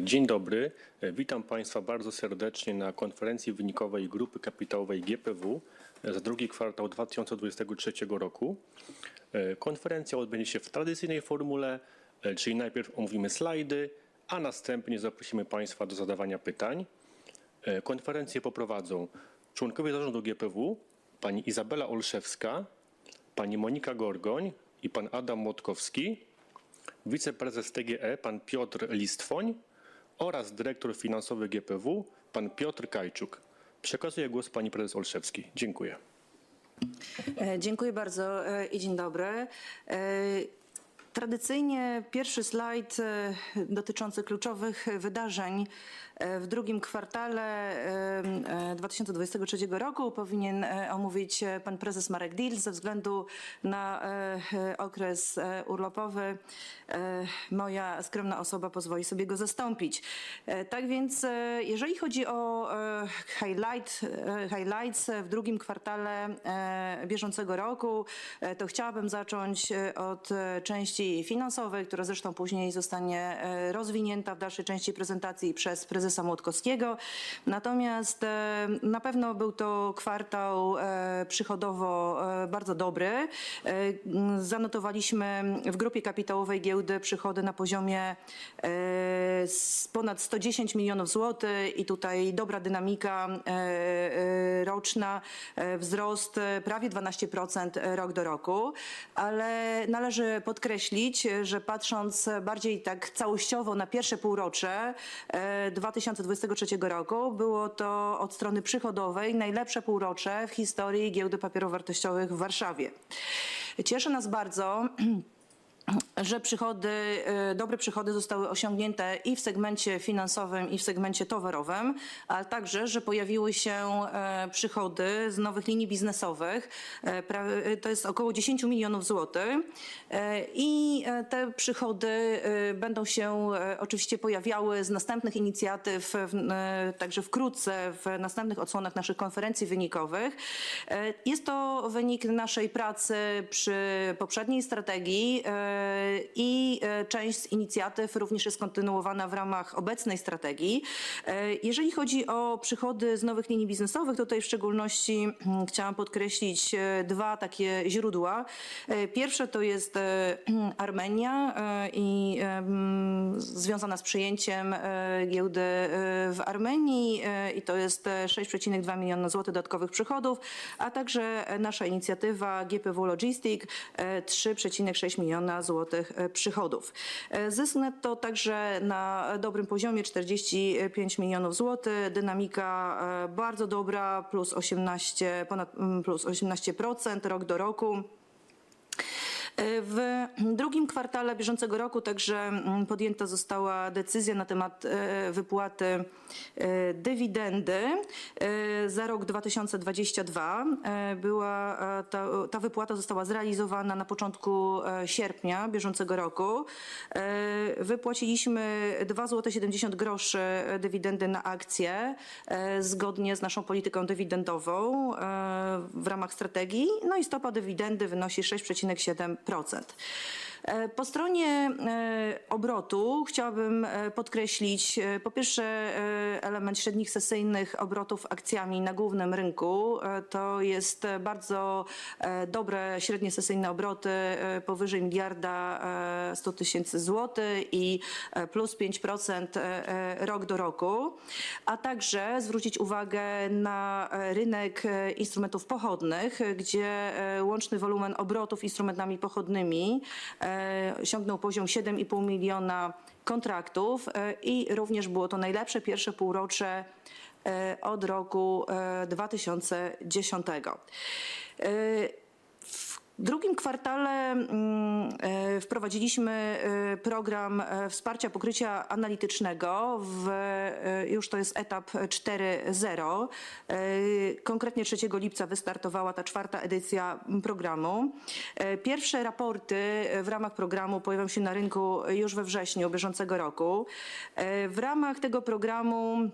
Dzień dobry. Witam Państwa bardzo serdecznie na konferencji wynikowej Grupy Kapitałowej GPW za drugi kwartał 2023 roku. Konferencja odbędzie się w tradycyjnej formule, czyli najpierw omówimy slajdy, a następnie zaprosimy Państwa do zadawania pytań. Konferencję poprowadzą członkowie Zarządu GPW: pani Izabela Olszewska, pani Monika Gorgoń i pan Adam Mlodkowski, wiceprezes TGE pan Piotr Listwon oraz dyrektor finansowy GPW pan Piotr Kajczuk. Przekazuję głos pani Prezes Olszewskiej. Dziękuję. Dziękuję bardzo i dzień dobry. Tradycyjnie pierwszy slajd dotyczący kluczowych wydarzeń w second quarter 2023 roku powinien omówić President Marek Dietl. Ze względu na okres urlopowy moja skromna osoba pozwoli sobie go zastąpić. Tak więc, jeżeli chodzi o highlight, highlights w second quarter bieżącego roku, to chciałabym zacząć od części finansowej, która zresztą później zostanie rozwinięta w dalszej części prezentacji przez President Mlodkowski. Na pewno był to kwartał przychodowo bardzo dobry. Zanotowaliśmy w GPW Group przychody na poziomie ponad 110 million zlotys. Tutaj dobra dynamika roczna, wzrost prawie 12% year-over-year. Należy podkreślić, że patrząc bardziej tak całościowo na first half 2023 roku, było to od strony przychodowej najlepsze półrocze w historii GPW. Cieszy nas bardzo, że przychody, dobre przychody zostały osiągnięte i w segmencie finansowym, i w segmencie towarowym, ale także, że pojawiły się przychody z nowych linii biznesowych. To jest około 10 million PLN. These revenues will, of course, appear from subsequent initiatives, also soon, in the next editions of our earnings conferences. This is the result of our work on the previous strategy. Part of the initiatives are also continued within the current strategy. Jeżeli chodzi o przychody z nowych linii biznesowych, to tutaj w szczególności chciałam podkreślić dwa takie źródła. The first is Armenia, related to the acquisition of the exchange in Armenia, and that is PLN 6.2 million of additional revenues. Also our GPW Logistic initiative, PLN 3.6 million of revenues. Net profit also at a good level, PLN 45 million. Very good dynamics, +18%, over +18% year-over-year. W drugim kwartale bieżącego roku także podjęta została decyzja na temat wypłaty dywidendy za rok 2022. Ta wypłata została zrealizowana na początku sierpnia bieżącego roku. Wypłaciliśmy PLN 2.70 dywidendy na akcję. Zgodnie z naszą polityką dywidendową w ramach strategii, no i stopa dywidendy wynosi 6.7%. Po stronie obrotu chciałabym podkreślić po pierwsze element średnich sesyjnych obrotów akcjami na głównym rynku. To jest bardzo dobre średnie sesyjne obroty powyżej PLN 1.1 million i +5% year-over-year. Także zwrócić uwagę na rynek instrumentów pochodnych, gdzie łączny wolumen obrotów instrumentami pochodnymi osiągnął poziom 7.5 million contracts. Również było to najlepsze pierwsze półrocze od roku 2010. W drugim kwartale wprowadziliśmy program wsparcia pokrycia analitycznego już to jest etap 4.0. Konkretnie July 3 wystartowała ta fourth edition programu. Pierwsze raporty w ramach programu pojawią się na rynku już we wrześniu bieżącego roku. W ramach tego programu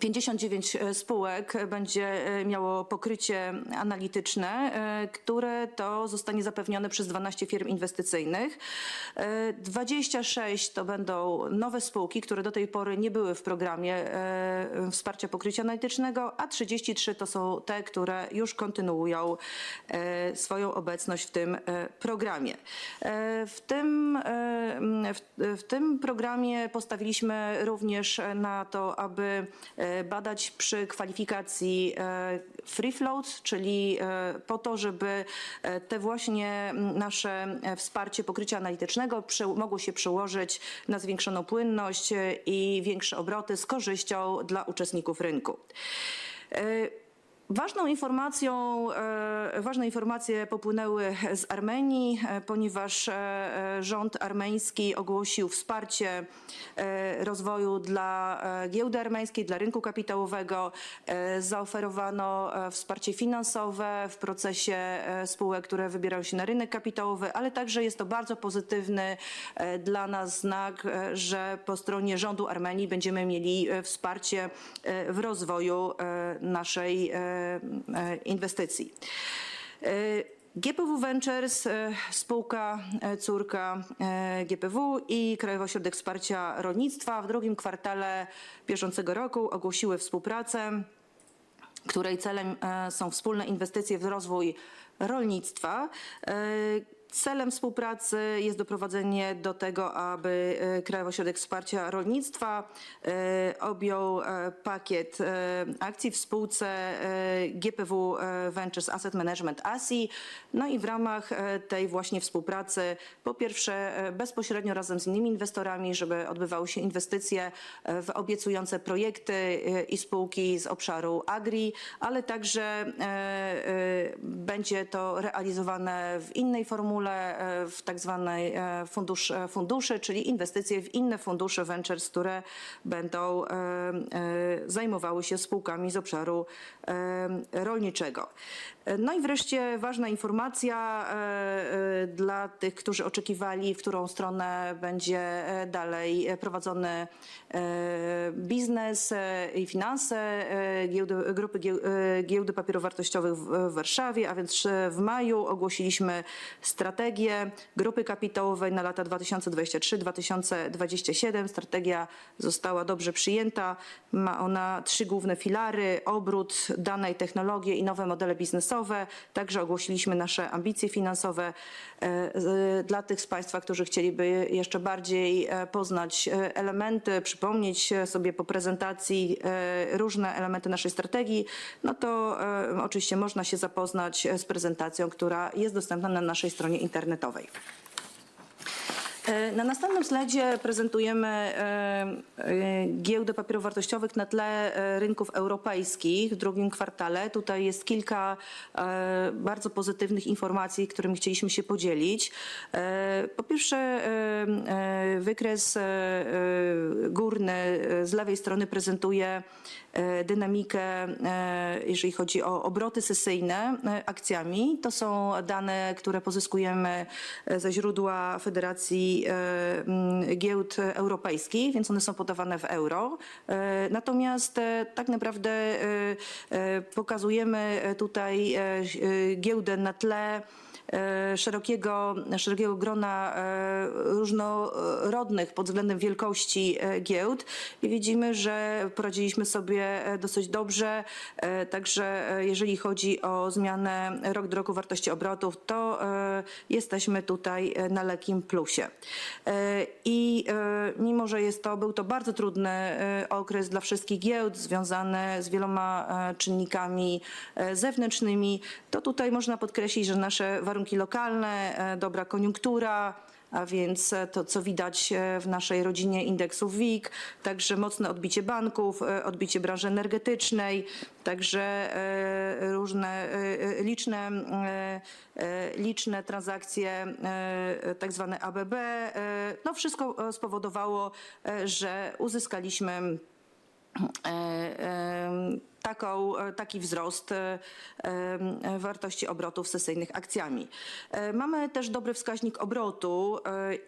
59 spółek będzie miało pokrycie analityczne, które to zostanie zapewnione przez 12 firm inwestycyjnych. 26 to będą nowe spółki, które do tej pory nie były w programie wsparcia pokrycia analitycznego, a 33 to są te, które już kontynuują swoją obecność w tym programie. W tym programie postawiliśmy również na to, aby badać przy kwalifikacji free float, czyli po to, żeby te właśnie nasze wsparcie pokrycia analitycznego mogło się przełożyć na zwiększoną płynność i większe obroty z korzyścią dla uczestników rynku. Ważną informacją, ważne informacje popłynęły z Armenia, ponieważ rząd Armenian ogłosił wsparcie rozwoju dla Armenian exchange, dla rynku kapitałowego. Zaoferowano wsparcie finansowe w procesie spółek, które wybierają się na rynek kapitałowy, ale także jest to bardzo pozytywny dla nas znak, że po stronie rządu Armenia będziemy mieli wsparcie w rozwoju naszej inwestycji. GPW Ventures, spółka córka GPW i Krajowy Osrodek Wsparcia Rolnictwa w drugim kwartale bieżącego roku ogłosiły współpracę, której celem są wspólne inwestycje w rozwój rolnictwa. Celem współpracy jest doprowadzenie do tego, aby Krajowy Osrodek Wsparcia Rolnictwa objął pakiet akcji w spółce GPW Ventures Asset Management ASI. W ramach tej właśnie współpracy, po pierwsze bezpośrednio razem z innymi inwestorami, żeby odbywały się inwestycje w obiecujące projekty i spółki z obszaru agri, ale także będzie to realizowane w innej formule, w tak zwanej fundusz funduszy, czyli inwestycje w inne fundusze ventures, które będą zajmowały się spółkami z obszaru rolniczego. No i wreszcie ważna informacja dla tych, którzy oczekiwali, w którą stronę będzie dalej prowadzony biznes i finanse Giełdy Papierów Wartościowych w Warszawie. W maju ogłosiliśmy strategię grupy kapitałowej na lata 2023-2027. Strategia została dobrze przyjęta. Ma ona 3 główne filary: obrót, dane i technologie i nowe modele biznesowe. Ogłosiliśmy nasze ambicje finansowe. Dla tych z Państwa, którzy chcieliby jeszcze bardziej poznać elementy, przypomnieć sobie po prezentacji różne elementy naszej strategii, no to oczywiście można się zapoznać z prezentacją, która jest dostępna na naszej stronie internetowej. Na następnym slajdzie prezentujemy Giełdę Papierów Wartościowych na tle rynków europejskich w 2nd quarter. Tutaj jest kilka bardzo pozytywnych informacji, którymi chcieliśmy się podzielić. Po pierwsze, wykres górny z lewej strony prezentuje dynamikę, jeżeli chodzi o obroty sesyjne akcjami. To są dane, które pozyskujemy ze źródła Federacji Giełd Europejskich, więc one są podawane w EUR. Tak naprawdę pokazujemy tutaj giełdę na tle szerokiego, szerokiego grona różnorodnych pod względem wielkości giełd i widzimy, że poradziliśmy sobie dosyć dobrze. Także jeżeli chodzi o zmianę rok do roku wartości obrotów, to jesteśmy tutaj na lekkim plusie. Mimo, że jest to, był to bardzo trudny okres dla wszystkich giełd, związany z wieloma czynnikami zewnętrznymi, to tutaj można podkreślić, że nasze warunki lokalne, dobra koniunktura, a więc to, co widać w naszej rodzinie indeksu WIG, także mocne odbicie banków, odbicie branży energetycznej, także różne liczne, liczne transakcje, tak zwane ABB. Wszystko spowodowało, że uzyskaliśmy taką, taki wzrost wartości obrotów sesyjnych akcjami. Mamy też dobry wskaźnik obrotu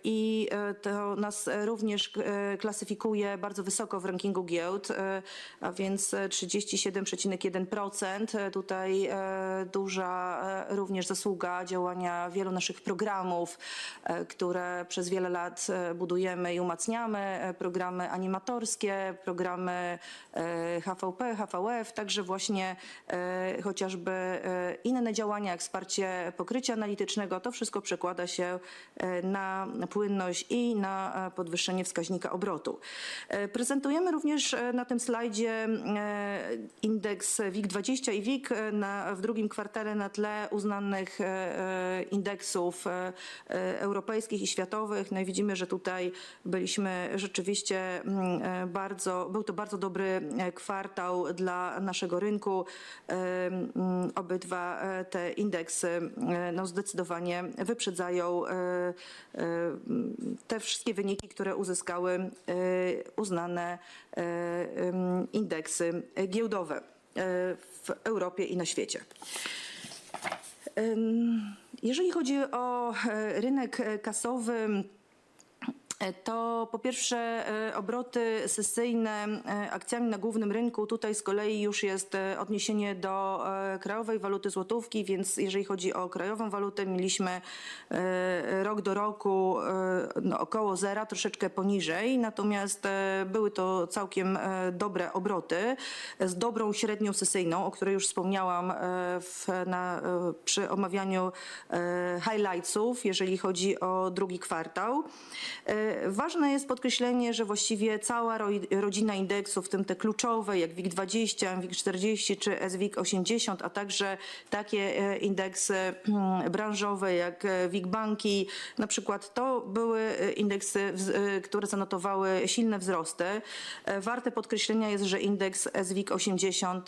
i to nas również klasyfikuje bardzo wysoko w rankingu giełd. 37.1%. Tutaj duża również zasługa działania wielu naszych programów, które przez wiele lat budujemy i umacniamy. Programy animatorskie, programy HVP, HVF, także właśnie chociażby inne działania, jak wsparcie pokrycia analitycznego. To wszystko przekłada się na płynność i na podwyższenie wskaźnika obrotu. Prezentujemy również na tym slajdzie indeks WIG20 i WIG w drugim kwartale na tle uznanych indeksów europejskich i światowych. Widzimy, że tutaj byliśmy rzeczywiście bardzo... był to bardzo dobry kwartał dla naszego rynku. Obydwa te indeksy, no zdecydowanie wyprzedzają te wszystkie wyniki, które uzyskały uznane indeksy giełdowe w Europie i na świecie. Jeżeli chodzi o rynek kasowy, to po pierwsze obroty sesyjne akcjami na głównym rynku. Tutaj z kolei już jest odniesienie do krajowej waluty złotówki, więc jeżeli chodzi o krajową walutę, mieliśmy year-over-year około zera, troszeczkę poniżej. Były to całkiem dobre obroty, z dobrą średnią sesyjną, o której już wspomniałam przy omawianiu highlightsów jeżeli chodzi o drugi kwartał. Ważne jest podkreślenie, że właściwie cała rodzina indeksów, w tym te kluczowe jak WIG20, WIG40 czy sWIG80, a także takie indeksy branżowe jak WIG Banki na przykład. To były indeksy, które zanotowały silne wzrosty. Warte podkreślenia jest, że indeks sWIG80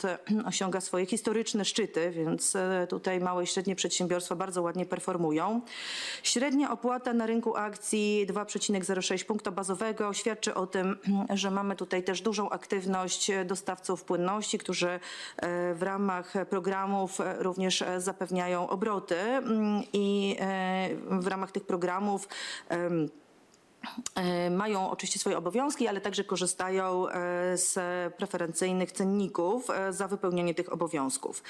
osiąga swoje historyczne szczyty, więc tutaj małe i średnie przedsiębiorstwa bardzo ładnie performują. Średnia opłata na rynku akcji 2.06 basis points świadczy o tym, że mamy tutaj też dużą aktywność dostawców płynności, którzy w ramach programów również zapewniają obroty i w ramach tych programów ... mają oczywiście swoje obowiązki, ale także korzystają z preferencyjnych cenników za wypełnianie tych obowiązków.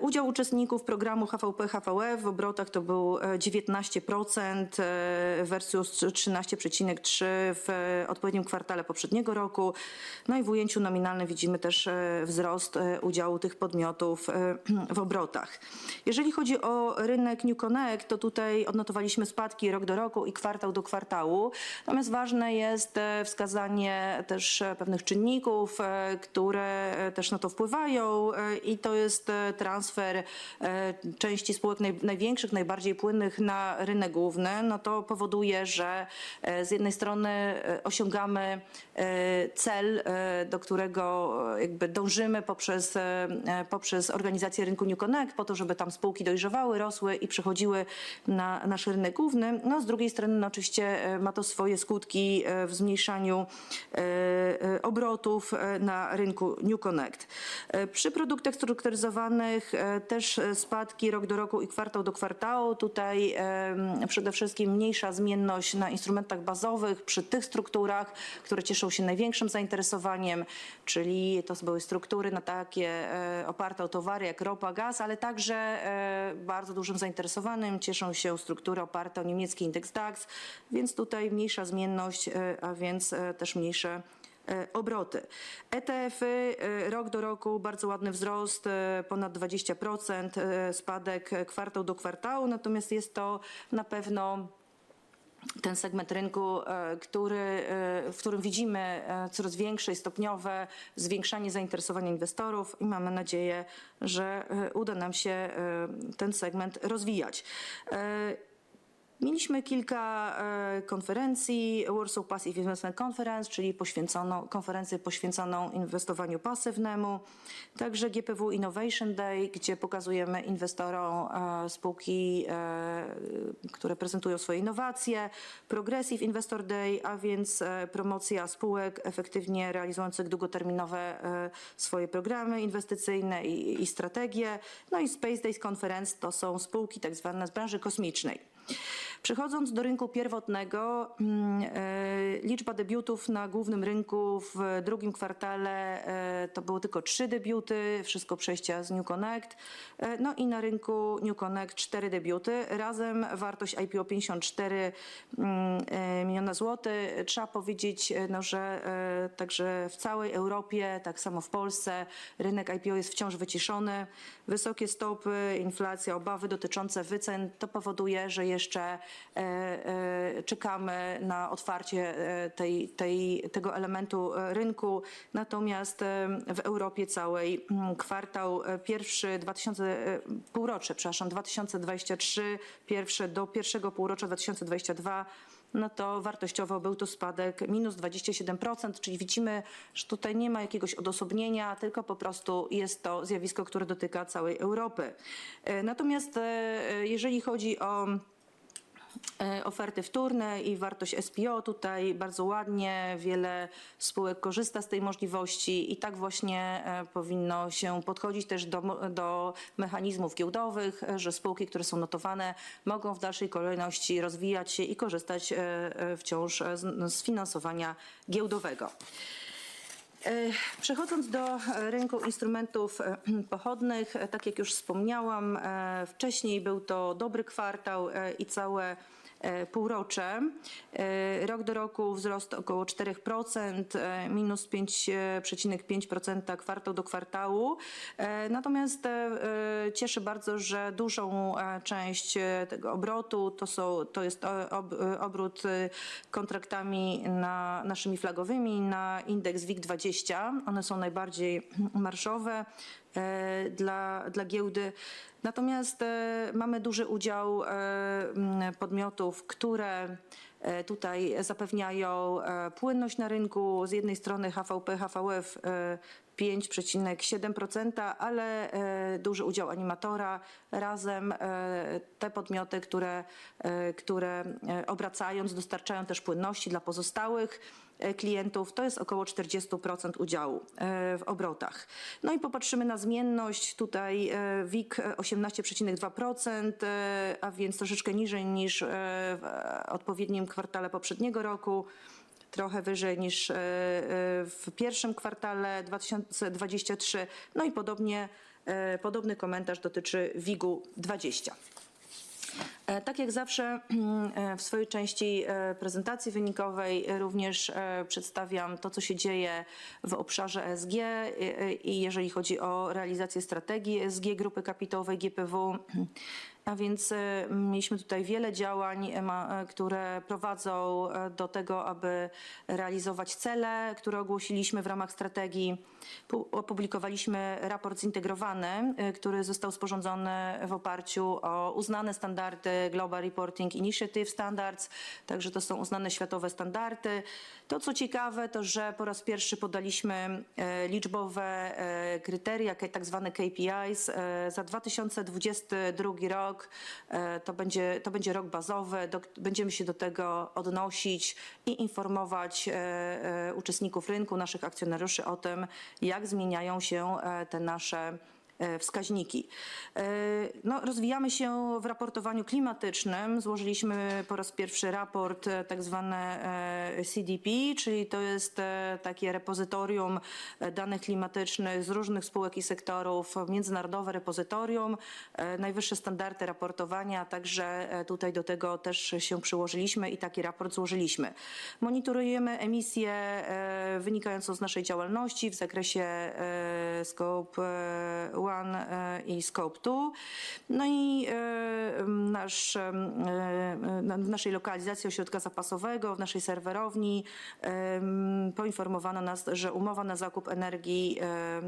Udział uczestników programu HVP, HVF w obrotach to był 19% versus 13.3 w odpowiednim kwartale poprzedniego roku. No i w ujęciu nominalnym widzimy też wzrost udziału tych podmiotów w obrotach. Jeżeli chodzi o rynek New Connect, to tutaj odnotowaliśmy spadki year-over-year i quarter-over-quarter. Ważne jest wskazanie też pewnych czynników, które też na to wpływają. To jest transfer części spółek największych, najbardziej płynnych na rynek główny. To powoduje, że z jednej strony osiągamy cel, do którego jakby dążymy poprzez, poprzez organizację rynku New Connect, po to, żeby tam spółki dojrzewały, rosły i przechodziły na nasz rynek główny. Z drugiej strony, oczywiście ma to swoje skutki w zmniejszaniu obrotów na rynku New Connect. Przy produktach strukturyzowanych też spadki year-over-year i quarter-over-quarter. Tutaj przede wszystkim mniejsza zmienność na instrumentach bazowych przy tych strukturach, które cieszą się największym zainteresowaniem, czyli to są były struktury na takie oparte o towary jak ropa, gaz, ale także bardzo dużym zainteresowaniem cieszą się struktury oparte o niemiecki indeks DAX. Tutaj mniejsza zmienność, a więc też mniejsze obroty. ETF-y year-over-year bardzo ładny wzrost, ponad 20%, spadek quarter-over-quarter. Natomiast jest to na pewno ten segment rynku, w którym widzimy coraz większe i stopniowe zwiększanie zainteresowania inwestorów i mamy nadzieję, że uda nam się ten segment rozwijać. Mieliśmy kilka konferencji: Warsaw Passive Investment Conference, czyli poświęconą, konferencję poświęconą inwestowaniu pasywnemu, także GPW Innovation Day, gdzie pokazujemy inwestorom spółki, które prezentują swoje innowacje. Progressive Investor Day, a więc promocja spółek efektywnie realizujących długoterminowe swoje programy inwestycyjne i, i strategie. Space Days Conference to są spółki tak zwane z branży kosmicznej. Przechodząc do rynku pierwotnego, liczba debiutów na głównym rynku w drugim kwartale to było tylko trzy debiuty, wszystko przejścia z NewConnect. Na rynku NewConnect cztery debiuty. Razem wartość IPO 54 million. Trzeba powiedzieć, no, że także w całej Europie, tak samo w Polsce, rynek IPO jest wciąż wyciszony. Wysokie stopy, inflacja, obawy dotyczące wycen. To powoduje, że jeszcze czekamy na otwarcie tego elementu rynku. W Europie całej kwartał pierwszy półrocze, przepraszam, 2023, pierwsze, do pierwszego półrocza 2022, no to wartościowo był to spadek -27%. Widzimy, że tutaj nie ma jakiegoś odosobnienia, tylko po prostu jest to zjawisko, które dotyka całej Europy. Jeżeli chodzi o oferty wtórne i wartość SPO, tutaj bardzo ładnie wiele spółek korzysta z tej możliwości i tak właśnie powinno się podchodzić też do mechanizmów giełdowych, że spółki, które są notowane, mogą w dalszej kolejności rozwijać się i korzystać wciąż z finansowania giełdowego. Przechodząc do rynku instrumentów pochodnych, tak jak już wspomniałam wcześniej, był to dobry kwartał i całe półrocze. Rok do roku wzrost około 4%, minus 5.5% kwartał do kwartału. Natomiast cieszy bardzo, że dużą część tego obrotu to są, to jest obrót kontraktami na, naszymi flagowymi na indeks WIG20. One są najbardziej marszowe dla giełdy. Natomiast mamy duży udział podmiotów, które tutaj zapewniają płynność na rynku. Z jednej strony HVP, HVF 5.7%, ale duży udział animatora. Razem te podmioty, które obracając, dostarczają też płynności dla pozostałych klientów, to jest około 40% udziału w obrotach. Popatrzymy na zmienność. Tutaj WIG 18.2%, a więc troszeczkę niżej niż w odpowiednim kwartale poprzedniego roku. Trochę wyżej niż w pierwszym kwartale 2023. Podobnie, podobny komentarz dotyczy WIGu 20. Tak jak zawsze, w swojej części prezentacji wynikowej również przedstawiam to, co się dzieje w obszarze ESG i jeżeli chodzi o realizację strategii ESG Grupy Kapitałowej GPW. Mieliśmy tutaj wiele działań, które prowadzą do tego, aby realizować cele, które ogłosiliśmy w ramach strategii. Opublikowaliśmy raport zintegrowany, który został sporządzony w oparciu o uznane standardy Global Reporting Initiative Standards. Także to są uznane światowe standardy. To, co ciekawe, to, że po raz pierwszy podaliśmy liczbowe kryteria, tak zwane KPIs za 2022 rok. To będzie, to będzie rok bazowy. Będziemy się do tego odnosić i informować uczestników rynku, naszych akcjonariuszy o tym, jak zmieniają się te nasze wskaźniki. No, rozwijamy się w raportowaniu klimatycznym. Złożyliśmy po raz pierwszy raport, tak zwane CDP, czyli to jest takie repozytorium danych klimatycznych z różnych spółek i sektorów, międzynarodowe repozytorium, najwyższe standardy raportowania. Tutaj do tego też się przyłożyliśmy i taki raport złożyliśmy. Monitorujemy emisję wynikającą z naszej działalności w zakresie Scope 1 i Scope 2. Nasz w naszej lokalizacji ośrodka zapasowego, w naszej serwerowni, poinformowano nas, że umowa na zakup energii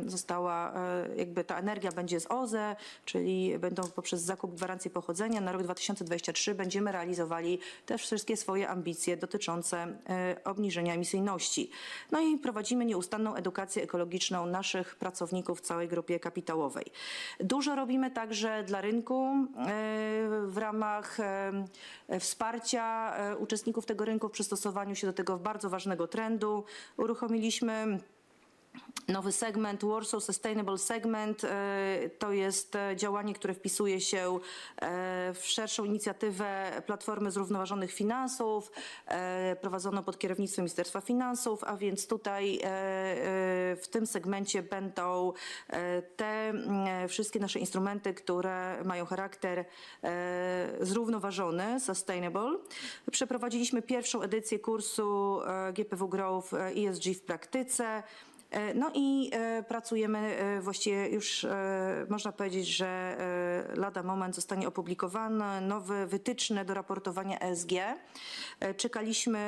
została jakby ta energia będzie z OZE, czyli będą poprzez zakup gwarancji pochodzenia na rok 2023 będziemy realizowali też wszystkie swoje ambicje dotyczące obniżenia emisyjności. Prowadzimy nieustanną edukację ekologiczną naszych pracowników w całej grupie kapitałowej. Robimy także dla rynku w ramach wsparcia uczestników tego rynku w przystosowaniu się do tego bardzo ważnego trendu. Uruchomiliśmy nowy segment Warsaw Sustainable Segment. To jest działanie, które wpisuje się w szerszą inicjatywę Platformy Zrownowazonych Finansow prowadzoną pod kierownictwem Ministerstwo Finansow. Tutaj w tym segmencie będą te wszystkie nasze instrumenty, które mają charakter zrównoważony, sustainable. Przeprowadziliśmy pierwszą edycję kursu GPW Growth ESG w praktyce. Pracujemy właściwie już można powiedzieć, że lada moment zostaną opublikowane nowe wytyczne do raportowania ESG. Czekaliśmy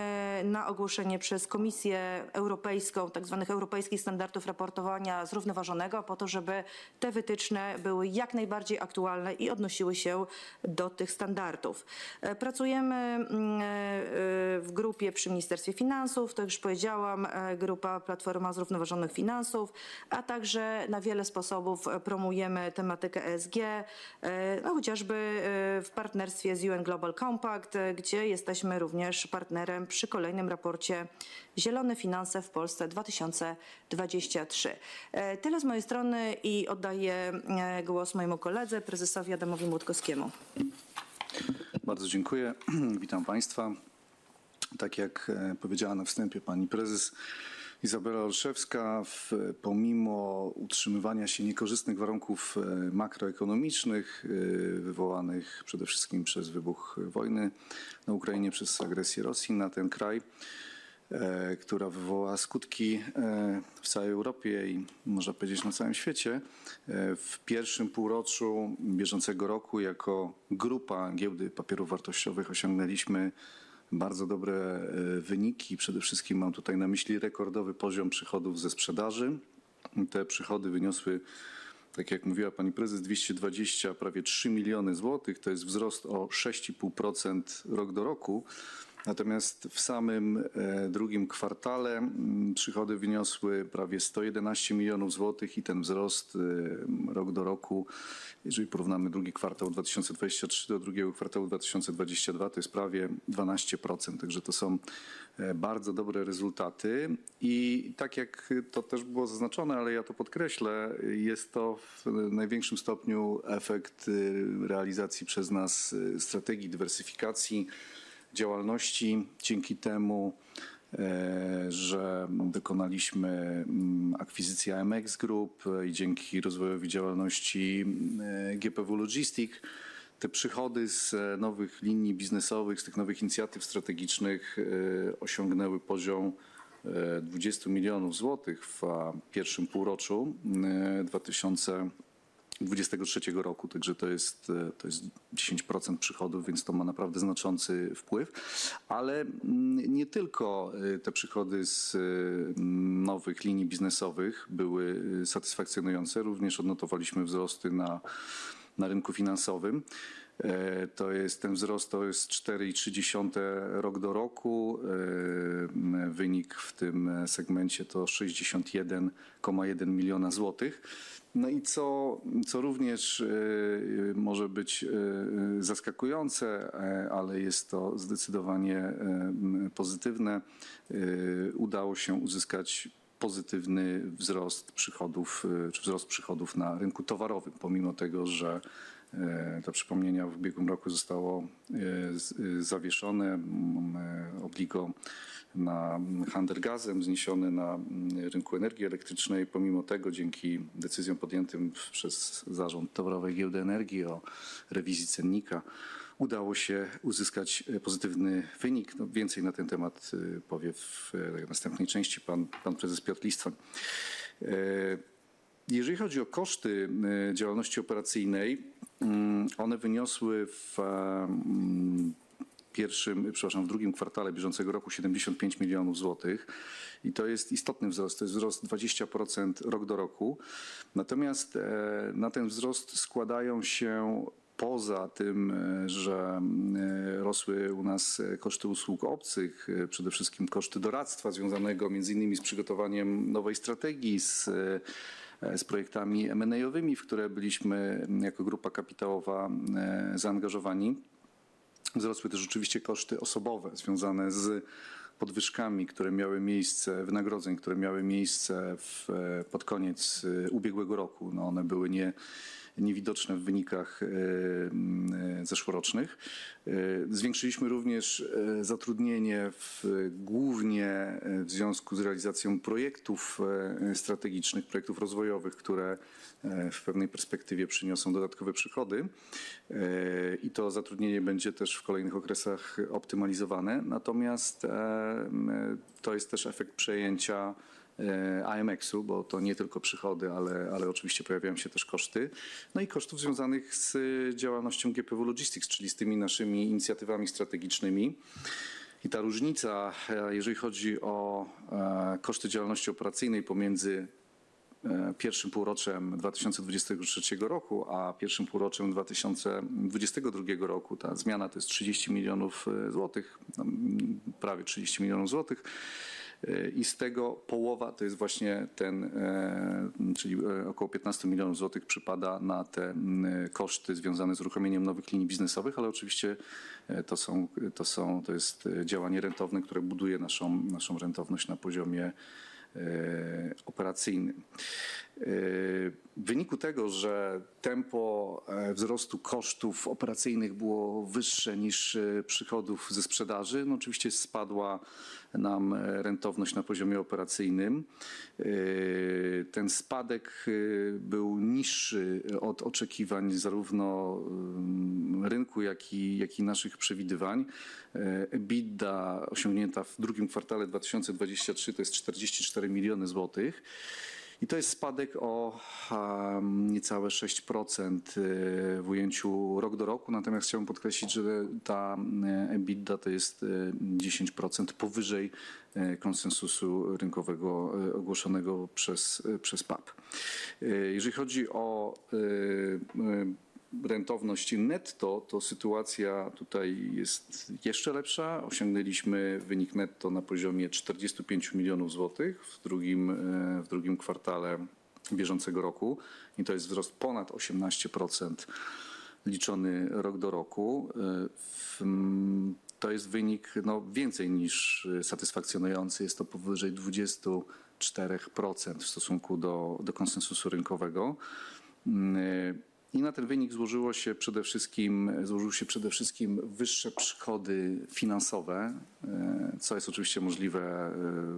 na ogłoszenie przez Komisję Europejską tak zwanych europejskich standardów raportowania zrównoważonego, po to, żeby te wytyczne były jak najbardziej aktualne i odnosiły się do tych standardów. Pracujemy w grupie przy Ministerstwie Finansów. To już powiedziałam, grupa Platforma Zrównoważonych Finansów, a także na wiele sposobów promujemy tematykę ESG, no chociażby w partnerstwie z UN Global Compact, gdzie jesteśmy również partnerem przy kolejnym raporcie „Zielone finanse w Polsce 2023”. Tyle z mojej strony i oddaję głos mojemu koledze, Prezesowi Adamowi Mlodkowskiemu. Bardzo dziękuję. Witam państwa. Tak jak powiedziała na wstępie pani prezes Izabela Olszewska, pomimo utrzymywania się niekorzystnych warunków makroekonomicznych, wywołanych przede wszystkim przez wybuch wojny na Ukrainie, przez agresję Rosji na ten kraj, która wywołała skutki w całej Europie i można powiedzieć, że na całym świecie. W pierwszym półroczu bieżącego roku, jako grupa Giełdy Papierów Wartościowych osiągnęliśmy bardzo dobre wyniki. Przede wszystkim mam tutaj na myśli rekordowy poziom przychodów ze sprzedaży. Te przychody wyniosły, tak jak mówiła pani prezes, prawie 223 zlotys miliony. To jest wzrost o 6.5% year-over-year. Natomiast w samym drugim kwartale przychody wyniosły prawie PLN 111 milionów i ten wzrost year-over-year, jeżeli porównamy drugi kwartał 2023 do drugiego kwartału 2022, to jest prawie 12%. To są bardzo dobre rezultaty. Tak jak to też było zaznaczone, ale ja to podkreślę, jest to w największym stopniu efekt realizacji przez nas strategii dywersyfikacji działalności. Dzięki temu, że dokonaliśmy akwizycji AMX Group i dzięki rozwojowi działalności GPW Logistic, te przychody z nowych linii biznesowych, z tych nowych inicjatyw strategicznych, osiągnęły poziom 20 million zlotys w pierwszym półroczu 2023 roku. To jest to jest 10% przychodów, więc to ma naprawdę znaczący wpływ. Nie tylko te przychody z nowych linii biznesowych były satysfakcjonujące. Również odnotowaliśmy wzrosty na, na rynku finansowym. Ten wzrost to jest 4.3% year-over-year. Wynik w tym segmencie to 61.1 million zlotys. Co, co również może być zaskakujące, ale jest to zdecydowanie pozytywne, udało się uzyskać pozytywny wzrost przychodów, czy wzrost przychodów na rynku towarowym, pomimo tego, że dla przypomnienia w ubiegłym roku zostało zawieszone obligo na handel gazem, zniesiony na rynku energii elektrycznej. Pomimo tego, dzięki decyzjom podjętym przez Zarząd Towarowej Giełdy Energii o rewizji cennika, udało się uzyskać pozytywny wynik. Więcej na ten temat powie w następnej części President Piotr Listwoń. Jeżeli chodzi o koszty działalności operacyjnej, one wyniosły w pierwszym, przepraszam, w drugim kwartale bieżącego roku 75 zlotys milionów. To jest istotny wzrost. To jest wzrost 20% rok-do-roku. Natomiast, na ten wzrost składają się, poza tym, że rosły u nas koszty usług obcych, przede wszystkim koszty doradztwa związanego między innymi z przygotowaniem nowej strategii, z projektami M&A-owymi, w które byliśmy jako grupa kapitałowa, zaangażowani. Wzrosły też oczywiście koszty osobowe związane z podwyżkami, które miały miejsce, wynagrodzeń, które miały miejsce pod koniec ubiegłego roku. No, one były niewidoczne w wynikach zeszłorocznych. Zwiększyliśmy również zatrudnienie głównie w związku z realizacją projektów strategicznych, projektów rozwojowych, które w pewnej perspektywie przyniosą dodatkowe przychody. I to zatrudnienie będzie też w kolejnych okresach optymalizowane. Natomiast, to jest też efekt przejęcia AMX-u, bo to nie tylko przychody, ale oczywiście pojawiają się też koszty. No i kosztów związanych z działalnością GPW Logistic, czyli z tymi naszymi inicjatywami strategicznymi. Ta różnica, jeżeli chodzi o koszty działalności operacyjnej pomiędzy pierwszym półroczem 2023 roku a pierwszym półroczem 2022 roku, ta zmiana to jest 30 million zlotys, tam prawie 30 million zlotys. Z tego half to jest właśnie ten, czyli około 15 million zlotys przypada na te koszty związane z uruchomieniem nowych linii biznesowych. Oczywiście, to jest działanie rentowne, które buduje naszą, naszą rentowność na poziomie operacyjnym. W wyniku tego, że tempo wzrostu kosztów operacyjnych było wyższe niż przychodów ze sprzedaży, no oczywiście spadła nam rentowność na poziomie operacyjnym. Ten spadek był niższy od oczekiwań zarówno rynku, jak i, jak i naszych przewidywań. EBITDA osiągnięta w drugim kwartale 2023 to jest 44 million zlotys i to jest spadek o niecałe 6% w ujęciu year-over-year. Chciałbym podkreślić, że ta EBITDA to jest 10% powyżej konsensusu rynkowego ogłoszonego przez PAP. Jeżeli chodzi o rentowność netto, to sytuacja tutaj jest jeszcze lepsza. Osiągnęliśmy wynik netto na poziomie 45 million zlotys w drugim kwartale bieżącego roku i to jest wzrost ponad 18% liczony year-over-year. To jest wynik, no więcej niż satysfakcjonujący. Jest to powyżej 24% w stosunku do konsensusu rynkowego. Na ten wynik złożyło się przede wszystkim, złożyły się przede wszystkim wyższe przychody finansowe, co jest oczywiście możliwe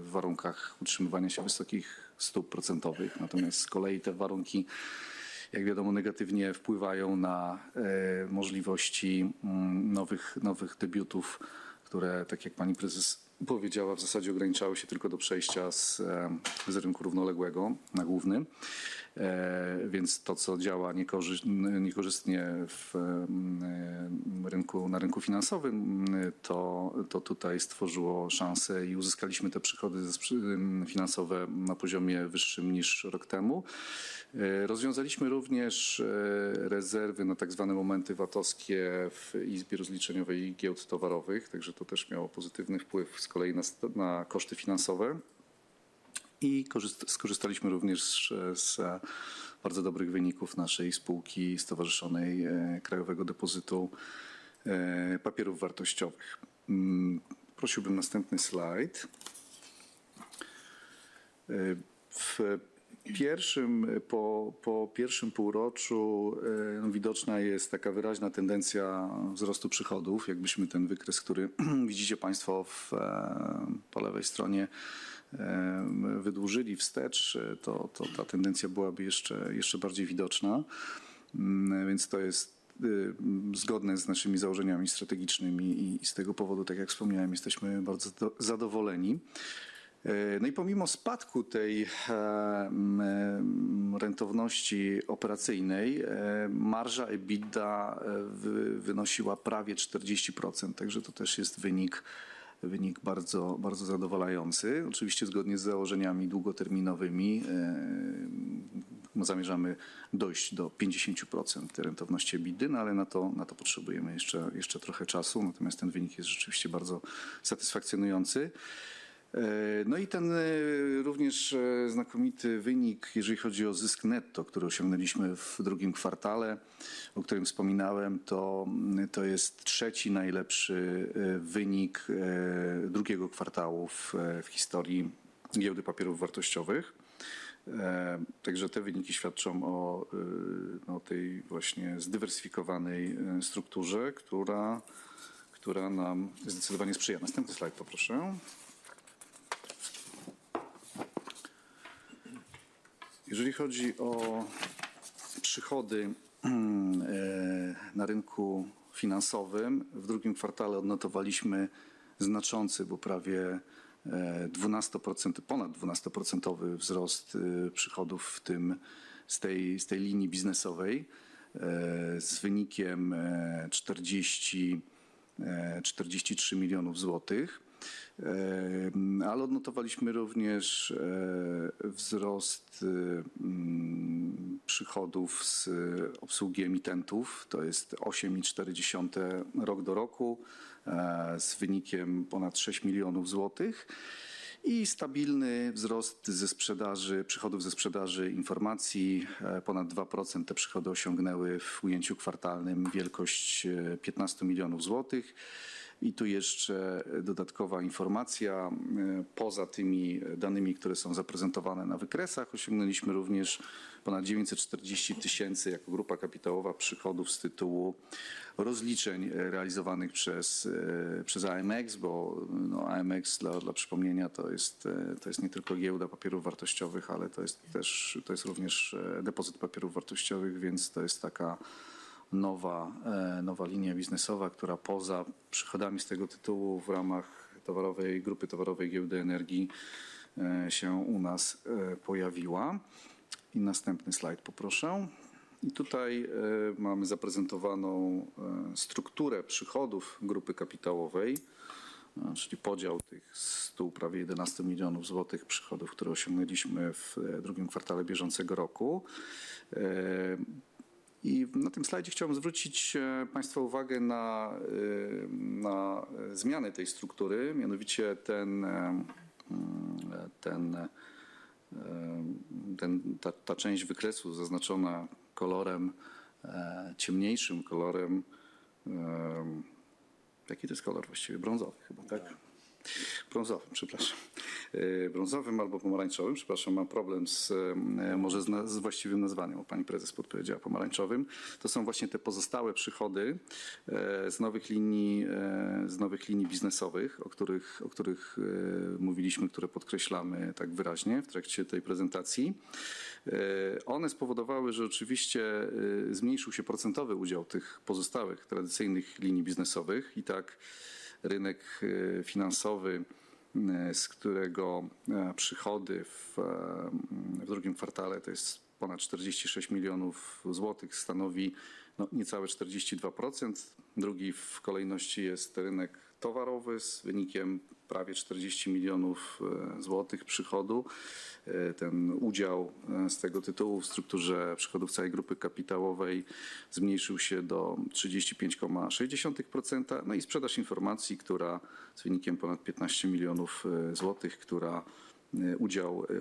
w warunkach utrzymywania się wysokich stóp procentowych. Natomiast z kolei te warunki, jak wiadomo, negatywnie wpływają na możliwości nowych, nowych debiutów, które tak jak pani prezes powiedziała, w zasadzie ograniczały się tylko do przejścia z rynku równoległego na główny. To, co działa niekorzystnie w rynku, na rynku finansowym, to, to tutaj stworzyło szansę i uzyskaliśmy te przychody finansowe na poziomie wyższym niż rok temu. Rozwiązaliśmy również rezerwy na tak zwane momenty VAT-owskie w Izbie Rozliczeniowej Gield Towarowych. To też miało pozytywny wpływ z kolei na koszty finansowe. Skorzystaliśmy również z bardzo dobrych wyników naszej spółki stowarzyszonej, Krajowego Depozytu Papierow Wartosciowych. Prosiłbym następny slajd. W pierwszym półroczu widoczna jest taka wyraźna tendencja wzrostu przychodów. Jakbyśmy ten wykres, który widzicie państwo w po lewej stronie, wydłużyli wstecz, to, to ta tendencja byłaby jeszcze, jeszcze bardziej widoczna. Więc to jest zgodne z naszymi założeniami strategicznymi i z tego powodu, tak jak wspomniałem, jesteśmy bardzo zadowoleni. No i pomimo spadku tej rentowności operacyjnej, marża EBITDA wynosiła prawie 40%, także to też jest wynik, wynik bardzo, bardzo zadowalający. Oczywiście zgodnie z założeniami długoterminowymi, zamierzamy dojść do 50% rentowności EBITDA, no ale na to, na to potrzebujemy jeszcze, jeszcze trochę czasu. Natomiast ten wynik jest rzeczywiście bardzo satysfakcjonujący. No i ten również znakomity wynik, jeżeli chodzi o zysk netto, który osiągnęliśmy w second quarter, o którym wspominałem, to, to jest third najlepszy wynik second quarter w historii Giełdy Papierów Wartościowych. Także te wyniki świadczą o tej właśnie zdywersyfikowanej strukturze, która nam zdecydowanie sprzyja. Następny slajd poproszę. Jeżeli chodzi o przychody na rynku finansowym, w 2Q odnotowaliśmy znaczący, bo prawie 12%, over 12% wzrost przychodów, w tym z tej, z tej linii biznesowej, z wynikiem PLN 43 million. Odnotowaliśmy również wzrost przychodów z obsługi emitentów. To jest 8.4% year-over-year, z wynikiem ponad 6 million zlotys. Stabilny wzrost ze sprzedaży, przychodów ze sprzedaży informacji ponad 2%. Te przychody osiągnęły w ujęciu kwartalnym wielkość 15 million zlotys. Tu jeszcze dodatkowa informacja. Poza tymi danymi, które są zaprezentowane na wykresach, osiągnęliśmy również ponad 940,000 jako grupa kapitałowa, przychodów z tytułu rozliczeń realizowanych przez AMX. Bo, no AMX dla, dla przypomnienia to jest, to jest nie tylko giełda papierów wartościowych, ale to jest też, to jest również, depozyt papierów wartościowych. Więc to jest taka nowa, nowa linia biznesowa, która poza przychodami z tego tytułu w ramach grupy towarowej Giełdy Energii, się u nas, pojawiła. Następny slajd poproszę. Tutaj, mamy zaprezentowaną, strukturę przychodów grupy kapitałowej, no czyli podział tych 100 prawie 11 milionów PLN przychodów, które osiągnęliśmy w 2nd quarter bieżącego roku. Na tym slajdzie chciałbym zwrócić Państwa uwagę na, na zmianę tej struktury. Mianowicie ta część wykresu zaznaczona kolorem, ciemniejszym kolorem. Jaki to jest kolor właściwie? Brązowy chyba, tak? Brązowy, przepraszam. Brązowym albo pomarańczowym. Przepraszam, mam problem z, może z właściwym nazwaniem. Pani Prezes podpowiedziała pomarańczowym. To są właśnie te pozostałe przychody z nowych linii biznesowych, o których mówiliśmy, które podkreślamy tak wyraźnie w trakcie tej prezentacji. One spowodowały, że oczywiście, zmniejszył się % udział tych pozostałych tradycyjnych linii biznesowych. Tak rynek finansowy, z którego przychody w 2Q to jest ponad 46 million zlotys, stanowi, no niecałe 42%. Drugi w kolejności jest rynek towarowy z wynikiem prawie 40 million zlotys przychodu. Ten udział z tego tytułu w strukturze przychodów całej grupy kapitałowej zmniejszył się do 35.6%. Sprzedaż informacji, która z wynikiem ponad 15 million zlotys, która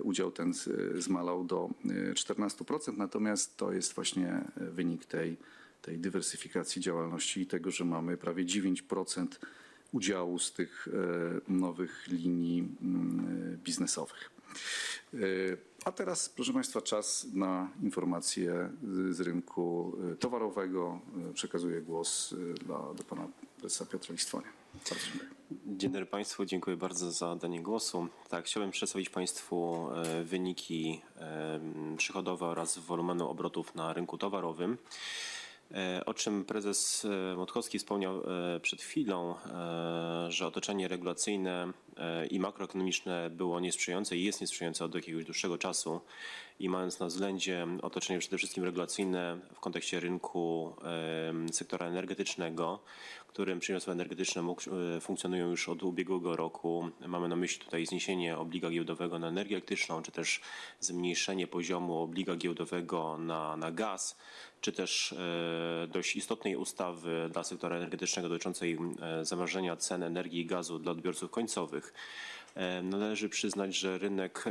udział ten zmalał do 14%. Natomiast to jest właśnie wynik tej, tej dywersyfikacji działalności i tego, że mamy prawie 9% udziału z tych nowych linii biznesowych. Teraz, proszę państwa, czas na informację z rynku towarowego. Przekazuję głos do pana prezesa Piotra Listwoń. Bardzo dziękuję. Dzień dobry państwu, dziękuję bardzo za danie głosu. Tak, chciałbym przedstawić państwu, wyniki, przychodowe oraz wolumenu obrotów na rynku towarowym. O czym prezes Mlodkowski wspomniał przed chwilą, że otoczenie regulacyjne i makroekonomiczne było niesprzyjające i jest niesprzyjające od jakiegoś dłuższego czasu. Mając na względzie otoczenie przede wszystkim regulacyjne w kontekście rynku sektora energetycznego, w którym przemysły energetyczne mógł funkcjonują już od ubiegłego roku. Mamy na myśli tutaj zniesienie obliga gieldowego na energię elektryczną, czy też zmniejszenie poziomu obliga gieldowego na, na gaz, czy też dość istotnej ustawy dla sektora energetycznego dotyczącej zamrożenia cen energii i gazu dla odbiorców końcowych. Należy przyznać, że rynek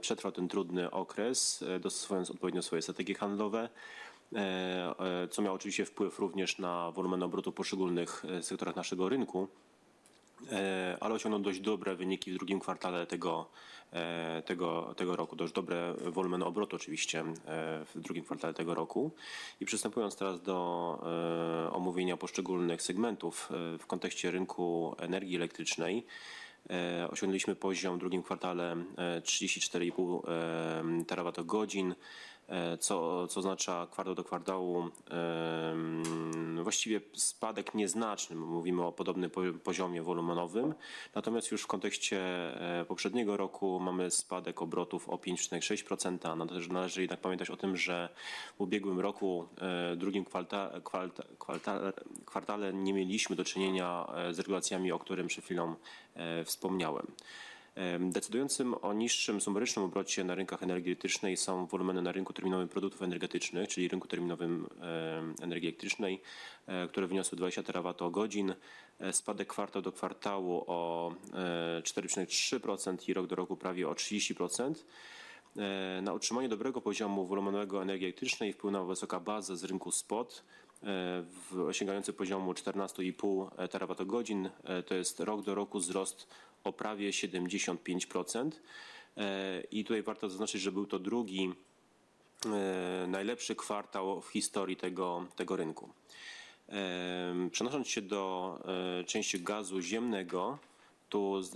przetrwał ten trudny okres, dostosowując odpowiednio swoje strategie handlowe. Co miało oczywiście wpływ również na wolumen obrotu w poszczególnych sektorach naszego rynku, ale osiągnął dość dobre wyniki w drugim kwartale tego roku. Dość dobre wolumen obrotu oczywiście w drugim kwartale tego roku. Przystępując teraz do omówienia poszczególnych segmentów w kontekście rynku energii elektrycznej. Osiągnęliśmy poziom w drugim kwartale 34.5 terawatogodzin, co oznacza kwartał do kwartału właściwie spadek nieznaczny, mówimy o podobny poziomie wolumenowym. Natomiast już w kontekście poprzedniego roku mamy spadek obrotów o 5.6%. Też należy jednak pamiętać o tym, że w ubiegłym roku w drugim kwartale nie mieliśmy do czynienia z regulacjami, o którym przed chwilą wspomniałem. Decydującym o niższym sumarycznym obrocie na rynkach energii elektrycznej są wolumeny na rynku terminowym produktów energetycznych, czyli rynku terminowym energii elektrycznej, które wyniosły 20 terawatt-hours. Spadek quarter-over-quarter o 4.3% i year-over-year prawie o 30%. Na utrzymanie dobrego poziomu wolumenowego energii elektrycznej wpłynęła wysoka baza z rynku spot, osiągający poziomu 14.5 terawatt-hours. To jest year-over-year wzrost o prawie 75%. I tutaj warto zaznaczyć, że był to 2nd najlepszy kwartał w historii tego, tego rynku. Przenosząc się do części gazu ziemnego, tu z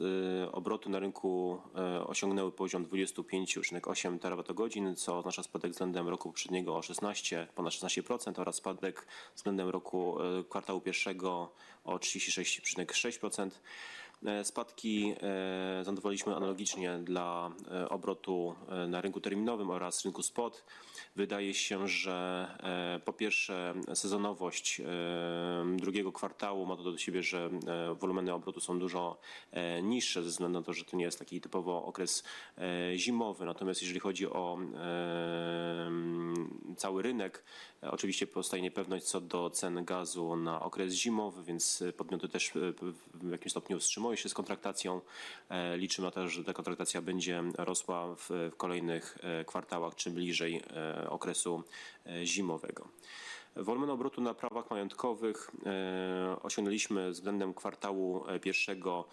obroty na rynku osiągnęły poziom 25.8 terawatt-hours, co oznacza spadek względem roku poprzedniego o 16, ponad 16% oraz spadek względem roku Q1 o 36.6%. Spadki zanotowaliśmy analogicznie dla obrotu na rynku terminowym oraz rynku spot. Wydaje się, że po pierwsze, sezonowość drugiego kwartału ma to do siebie, że wolumeny obrotu są dużo niższe ze względu na to, że to nie jest taki typowo okres zimowy. Natomiast jeżeli chodzi o cały rynek, oczywiście pozostaje niepewność co do cen gazu na okres zimowy, więc podmioty też w jakimś stopniu wstrzymują się z kontraktacją. Liczymy na to, że ta kontraktacja będzie rosła w kolejnych kwartałach, czym bliżej okresu zimowego. Wolumen obrotu na prawach majątkowych osiągnęliśmy względem kwartału pierwszego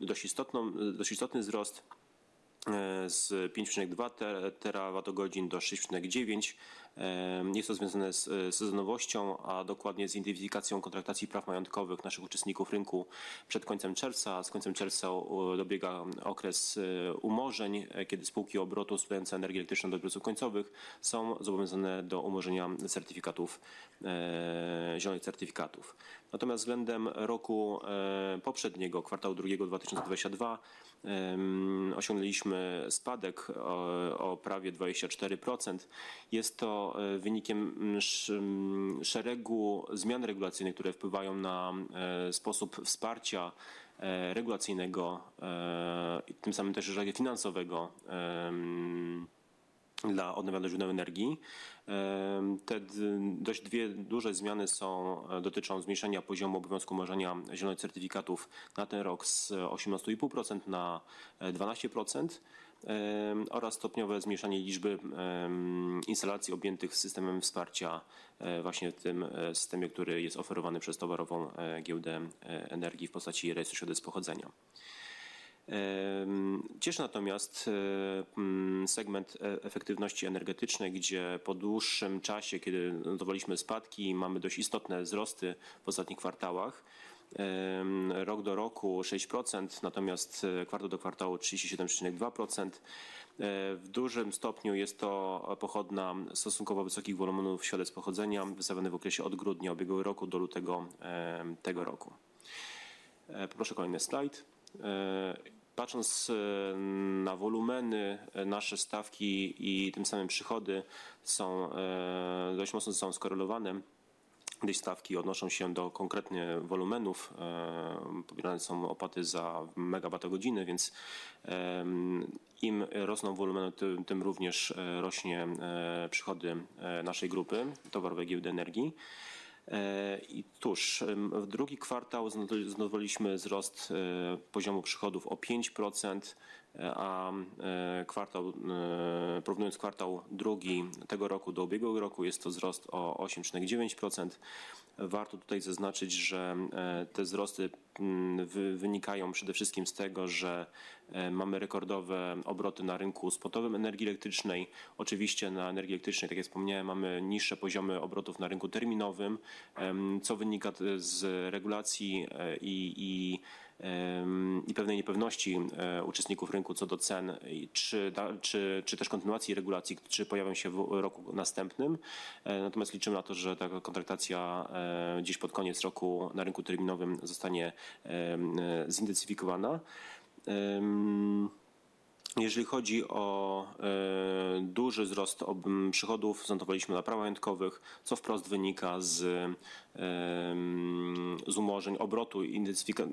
dość istotną, dość istotny wzrost z 5.2 terawatt-hours do 6.9. Nie jest to związane z sezonowością, a dokładnie z intensyfikacją kontraktacji praw majątkowych naszych uczestników rynku przed końcem czerwca. Z końcem czerwca dobiega okres umorzeń, kiedy spółki obrotu sprzedające energię elektryczną do odbiorców końcowych są zobowiązane do umorzenia certyfikatów, zielonych certyfikatów. Natomiast względem roku poprzedniego, kwartału drugiego 2022, osiągnęliśmy spadek o prawie 24%. Jest to wynikiem szeregu zmian regulacyjnych, które wpływają na sposób wsparcia regulacyjnego i tym samym też finansowego dla odnawialnych źródeł energii. Te dość dwie duże zmiany są, dotyczą zmniejszenia poziomu obowiązku umorzenia zielonych certyfikatów na ten rok z 18.5% na 12%, oraz stopniowe zmniejszanie liczby instalacji objętych systemem wsparcia właśnie w tym systemie, który jest oferowany przez Towarową Giełdę Energii w postaci rejestru śladów pochodzenia. Cieszy natomiast segment e-efektywności energetycznej, gdzie po dłuższym czasie, kiedy notowaliśmy spadki, mamy dość istotne wzrosty w ostatnich kwartałach. Rok do roku 6%, natomiast kwartał do kwartału 37.2%. W dużym stopniu jest to pochodna stosunkowo wysokich wolumenów śladów pochodzenia wystawionych w okresie od grudnia ubiegłego roku do lutego tego roku. Poproszę kolejny slajd. Patrząc na wolumeny, nasze stawki i tym samym przychody są dość mocno skorelowane, gdzie stawki odnoszą się do konkretnie wolumenów. Pobierane są opłaty za megawatogodziny, więc im rosną wolumeny, tym również rośnie przychody naszej grupy - Towarowej Giełdy Energii. I tuż w 2Q zanotowaliśmy wzrost poziomu przychodów o 5%, kwartał, porównując 2Q tego roku do ubiegłego roku, jest to wzrost o 8.9%. Warto tutaj zaznaczyć, że te wzrosty wynikają przede wszystkim z tego, że mamy rekordowe obroty na rynku spotowym energii elektrycznej. Oczywiście na energii elektrycznej, tak jak wspomniałem, mamy niższe poziomy obrotów na rynku terminowym, co wynika z regulacji i pewnej niepewności uczestników rynku co do cen i czy też kontynuacji regulacji, czy pojawią się w roku następnym. Natomiast liczymy na to, że taka kontraktacja gdzieś pod koniec roku na rynku terminowym zostanie zintensyfikowana. Jeżeli chodzi o duży wzrost przychodów zanotowaliśmy na prawach majątkowych, co wprost wynika z umorzeń obrotu i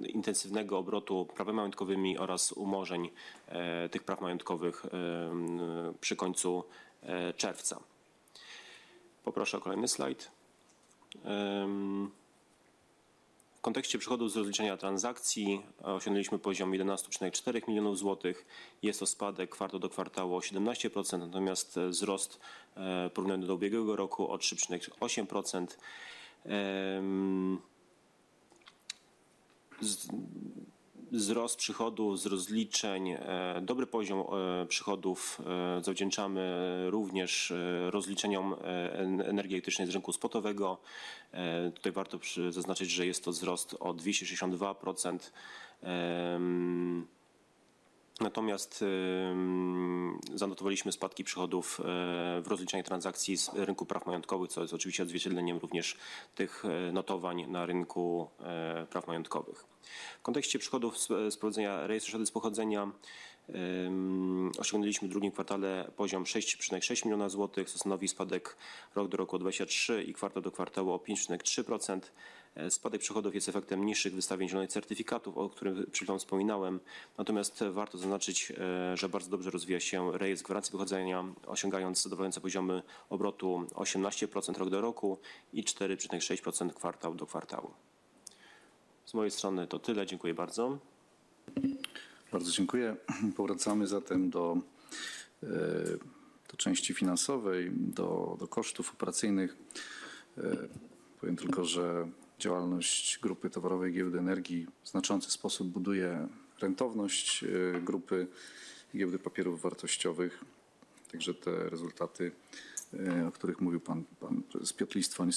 intensywnego obrotu prawami majątkowymi oraz umorzeń tych praw majątkowych przy końcu czerwca. Poproszę o kolejny slajd. W kontekście przychodów z rozliczenia transakcji osiągnęliśmy poziom 11.4 zlotys milionów. Jest to spadek quarter-over-quarter o 17%, natomiast wzrost, porównując do ubiegłego roku o 3.8%. Wzrost przychodu z rozliczeń, dobry poziom przychodów zawdzięczamy również rozliczeniom energii elektrycznej z rynku spotowego. Tutaj warto zaznaczyć, że jest to wzrost o 262%. Natomiast zanotowaliśmy spadki przychodów w rozliczaniu transakcji z rynku praw majatkowych, co jest oczywiście odzwierciedleniem również tych notowań na rynku praw majatkowych. W kontekście przychodów z prowadzenia rejestru śladu pochodzenia, osiągnęliśmy w drugim kwartale poziom 6.6 million zlotys, co stanowi spadek year-over-year o 23% i quarter-over-quarter o 5.3%. Spadek przychodów jest efektem mniejszych wystawień zielonych certyfikatów, o których przed chwilą wspominałem. Natomiast warto zaznaczyć, że bardzo dobrze rozwija się Rejestr Gwarancji Pochodzenia, osiągając zadowalające poziomy obrotu 18% rok do roku i 4.6% kwartał do kwartału. Z mojej strony to tyle. Dziękuję bardzo. Bardzo dziękuję. Powracamy zatem do części finansowej, do kosztów operacyjnych. Powiem tylko, że działalność Grupy Towarowej Giełdy Energii w znaczący sposób buduje rentowność Grupy Giełdy Papierów Wartościowych. Także te rezultaty, o których mówił pan prezes Piotr Listwon,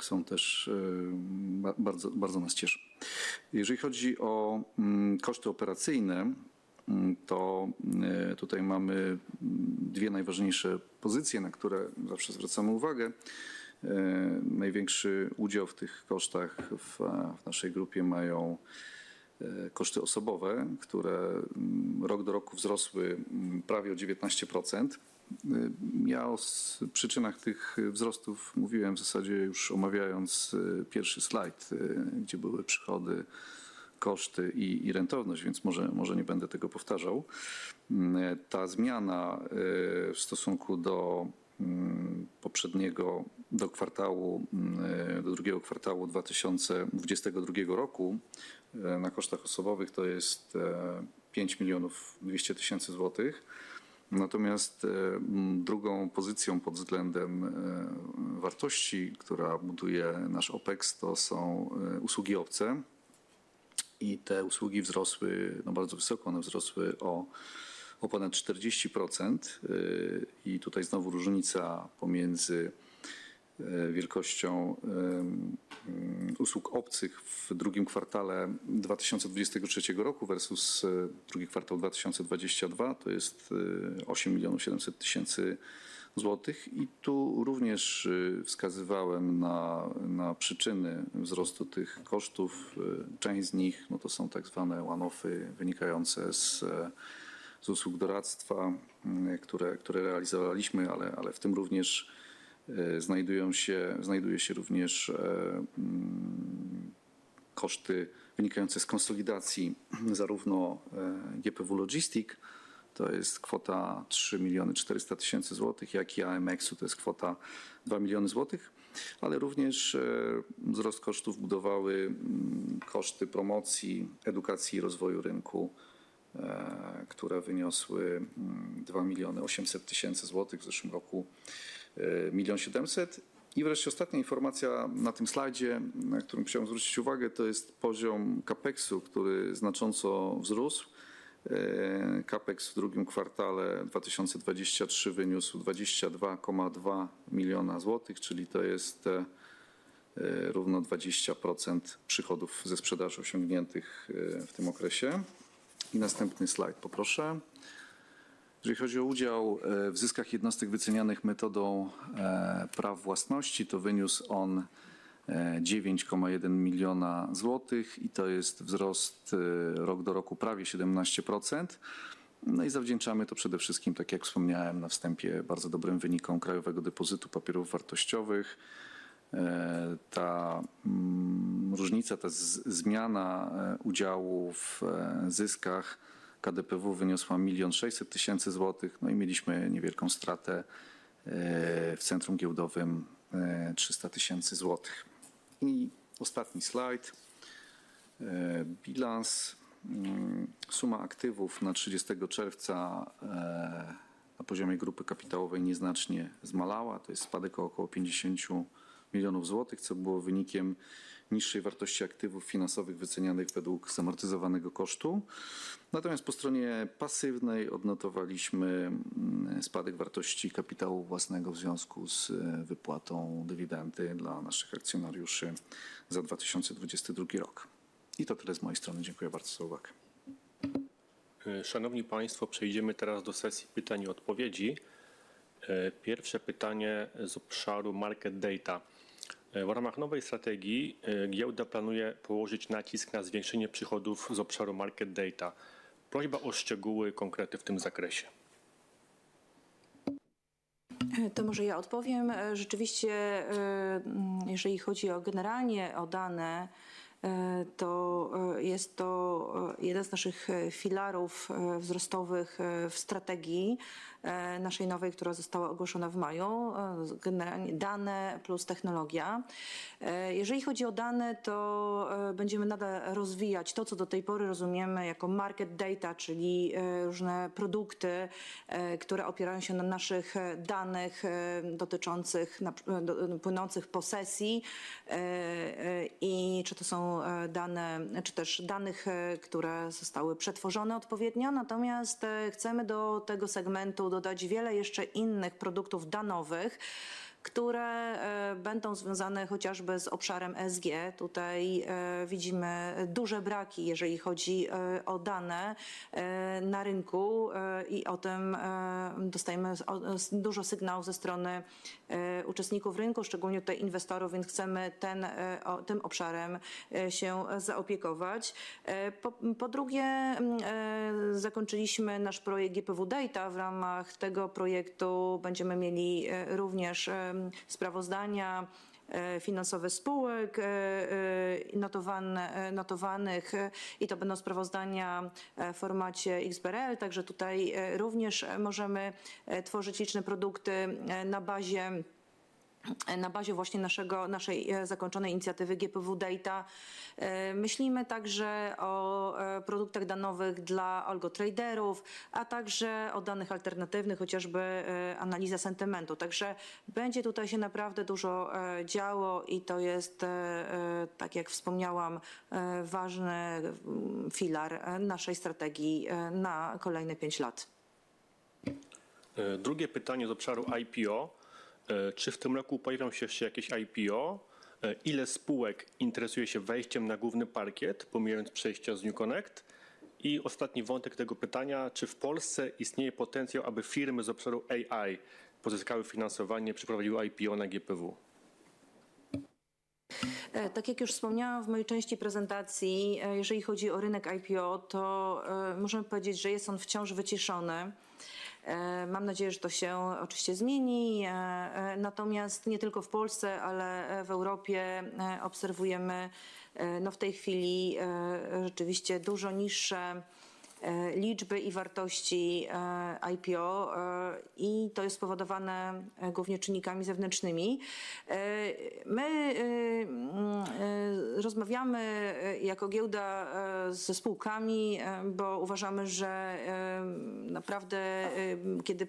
są też bardzo, bardzo nas cieszą. Jeżeli chodzi o koszty operacyjne, to tutaj mamy dwie najważniejsze pozycje, na które zawsze zwracamy uwagę. Największy udział w tych kosztach w naszej grupie mają koszty osobowe, które rok do roku wzrosły prawie o 19%. Ja o przyczynach tych wzrostów mówiłem w zasadzie już omawiając first slide, gdzie były przychody, koszty i rentowność. Może, może nie będę tego powtarzał. Ta zmiana w stosunku do poprzedniego, do kwartału, do 2Q 2022, na kosztach osobowych to jest 5.2 million. Drugą pozycją pod względem wartości, która buduje nasz OPEX, to są usługi obce. Te usługi wzrosły, no bardzo wysoko, one wzrosły o ponad 40%. Tutaj znowu różnica pomiędzy wielkością usług obcych w 2Q 2023 versus 2Q 2022, to jest PLN 8.7 million. Tu również wskazywałem na przyczyny wzrostu tych kosztów. część z nich, no, to są tak zwane one-offs, wynikające z usług doradztwa, które realizowaliśmy, ale w tym również znajdują się, znajduje się również.... koszty wynikające z konsolidacji zarówno GPW Logistic, to jest kwota 3.4 million zlotys, jak i AMX, to jest kwota PLN 2 million. Również wzrost kosztów budowały koszty promocji, edukacji i rozwoju rynku, które wyniosły 2.8 million zlotys. W zeszłym roku 1.7 million. Wreszcie ostatnia informacja na tym slajdzie, na który chciałem zwrócić uwagę, to jest poziom CapEx, który znacząco wzrósł. CapEx w drugim kwartale 2023 wyniósł PLN 22.2 million, czyli to jest równo 20% przychodów ze sprzedaży osiągniętych w tym okresie. Następny slajd poproszę. Jeżeli chodzi o udział w zyskach jednostek wycenianych metodą praw własności, to wyniósł on 9.1 million zlotys i to jest wzrost rok-do-roku prawie 17%. Zawdzięczamy to przede wszystkim, tak jak wspomniałem na wstępie, bardzo dobrym wynikom Krajowego Depozytu Papierów Wartościowych. Ta różnica, ta zmiana udziału w zyskach KDPW wyniosła PLN 1.6 million. Mieliśmy niewielką stratę w centrum giełdowym, PLN 300,000. Ostatni slajd. Bilans. Suma aktywów na June 30 na poziomie grupy kapitałowej nieznacznie zmalała. To jest spadek o około 50 million zlotys, co było wynikiem niższej wartości aktywów finansowych wycenianych według zamortyzowanego kosztu. Natomiast po stronie pasywnej odnotowaliśmy spadek wartości kapitału własnego w związku z wypłatą dywidendy dla naszych akcjonariuszy za 2022 rok. To tyle z mojej strony. Dziękuję bardzo za uwagę. Szanowni Państwo, przejdziemy teraz do sesji pytań i odpowiedzi. Pierwsze pytanie z obszaru Market Data. W ramach nowej strategii, giełda planuje położyć nacisk na zwiększenie przychodów z obszaru Market Data. Prośba o szczegóły, konkrety w tym zakresie. To może ja odpowiem. Rzeczywiście, jeżeli chodzi o generalnie o dane, to jest to jeden z naszych filarów wzrostowych w strategii naszej nowej, która została ogłoszona w maju. Generalnie dane plus technologia. Jeżeli chodzi o dane, to będziemy nadal rozwijać to, co do tej pory rozumiemy jako Market Data, czyli różne produkty, które opierają się na naszych danych, dotyczących, płynących po sesji. I czy to są dane, czy też danych, które zostały przetworzone odpowiednio. Natomiast, chcemy do tego segmentu dodać wiele jeszcze innych produktów danowych, które będą związane chociażby z obszarem ESG. Tutaj widzimy duże braki, jeżeli chodzi o dane na rynku, i o tym dostajemy dużo sygnałów ze strony uczestników rynku, szczególnie tutaj inwestorów, więc chcemy ten tym obszarem się zaopiekować. Po drugie, zakończyliśmy nasz projekt GPW Data. W ramach tego projektu będziemy mieli również sprawozdania finansowe spółek notowanych. I to będą sprawozdania w formacie XBRL. Także tutaj również możemy tworzyć liczne produkty na bazie, na bazie właśnie naszego, naszej zakończonej inicjatywy GPW Data. Myślimy także o produktach danowych dla algotraderów, a także o danych alternatywnych, chociażby analiza sentymentu. Także będzie tutaj się naprawdę dużo działo i to jest tak jak wspomniałam, ważny filar naszej strategii na kolejne 5 lat. drugie pytanie z obszaru IPO. Czy w tym roku pojawią się jeszcze jakieś IPO? Ile spółek interesuje się wejściem na główny parkiet, pomijając przejścia z New Connect? Ostatni wątek tego pytania: czy w Polsce istnieje potencjał, aby firmy z obszaru AI pozyskały finansowanie, przeprowadziły IPO na GPW? Tak jak już wspomniałam w mojej części prezentacji, jeżeli chodzi o rynek IPO, to możemy powiedzieć, że jest on wciąż wyciszony. Mam nadzieję, że to się oczywiście zmieni, natomiast nie tylko w Polsce, ale w Europie, obserwujemy, no w tej chwili, rzeczywiście dużo niższe, liczby i wartości IPO. To jest spowodowane głównie czynnikami zewnętrznymi. My rozmawiamy jako giełda ze spółkami, bo uważamy, że naprawdę, kiedy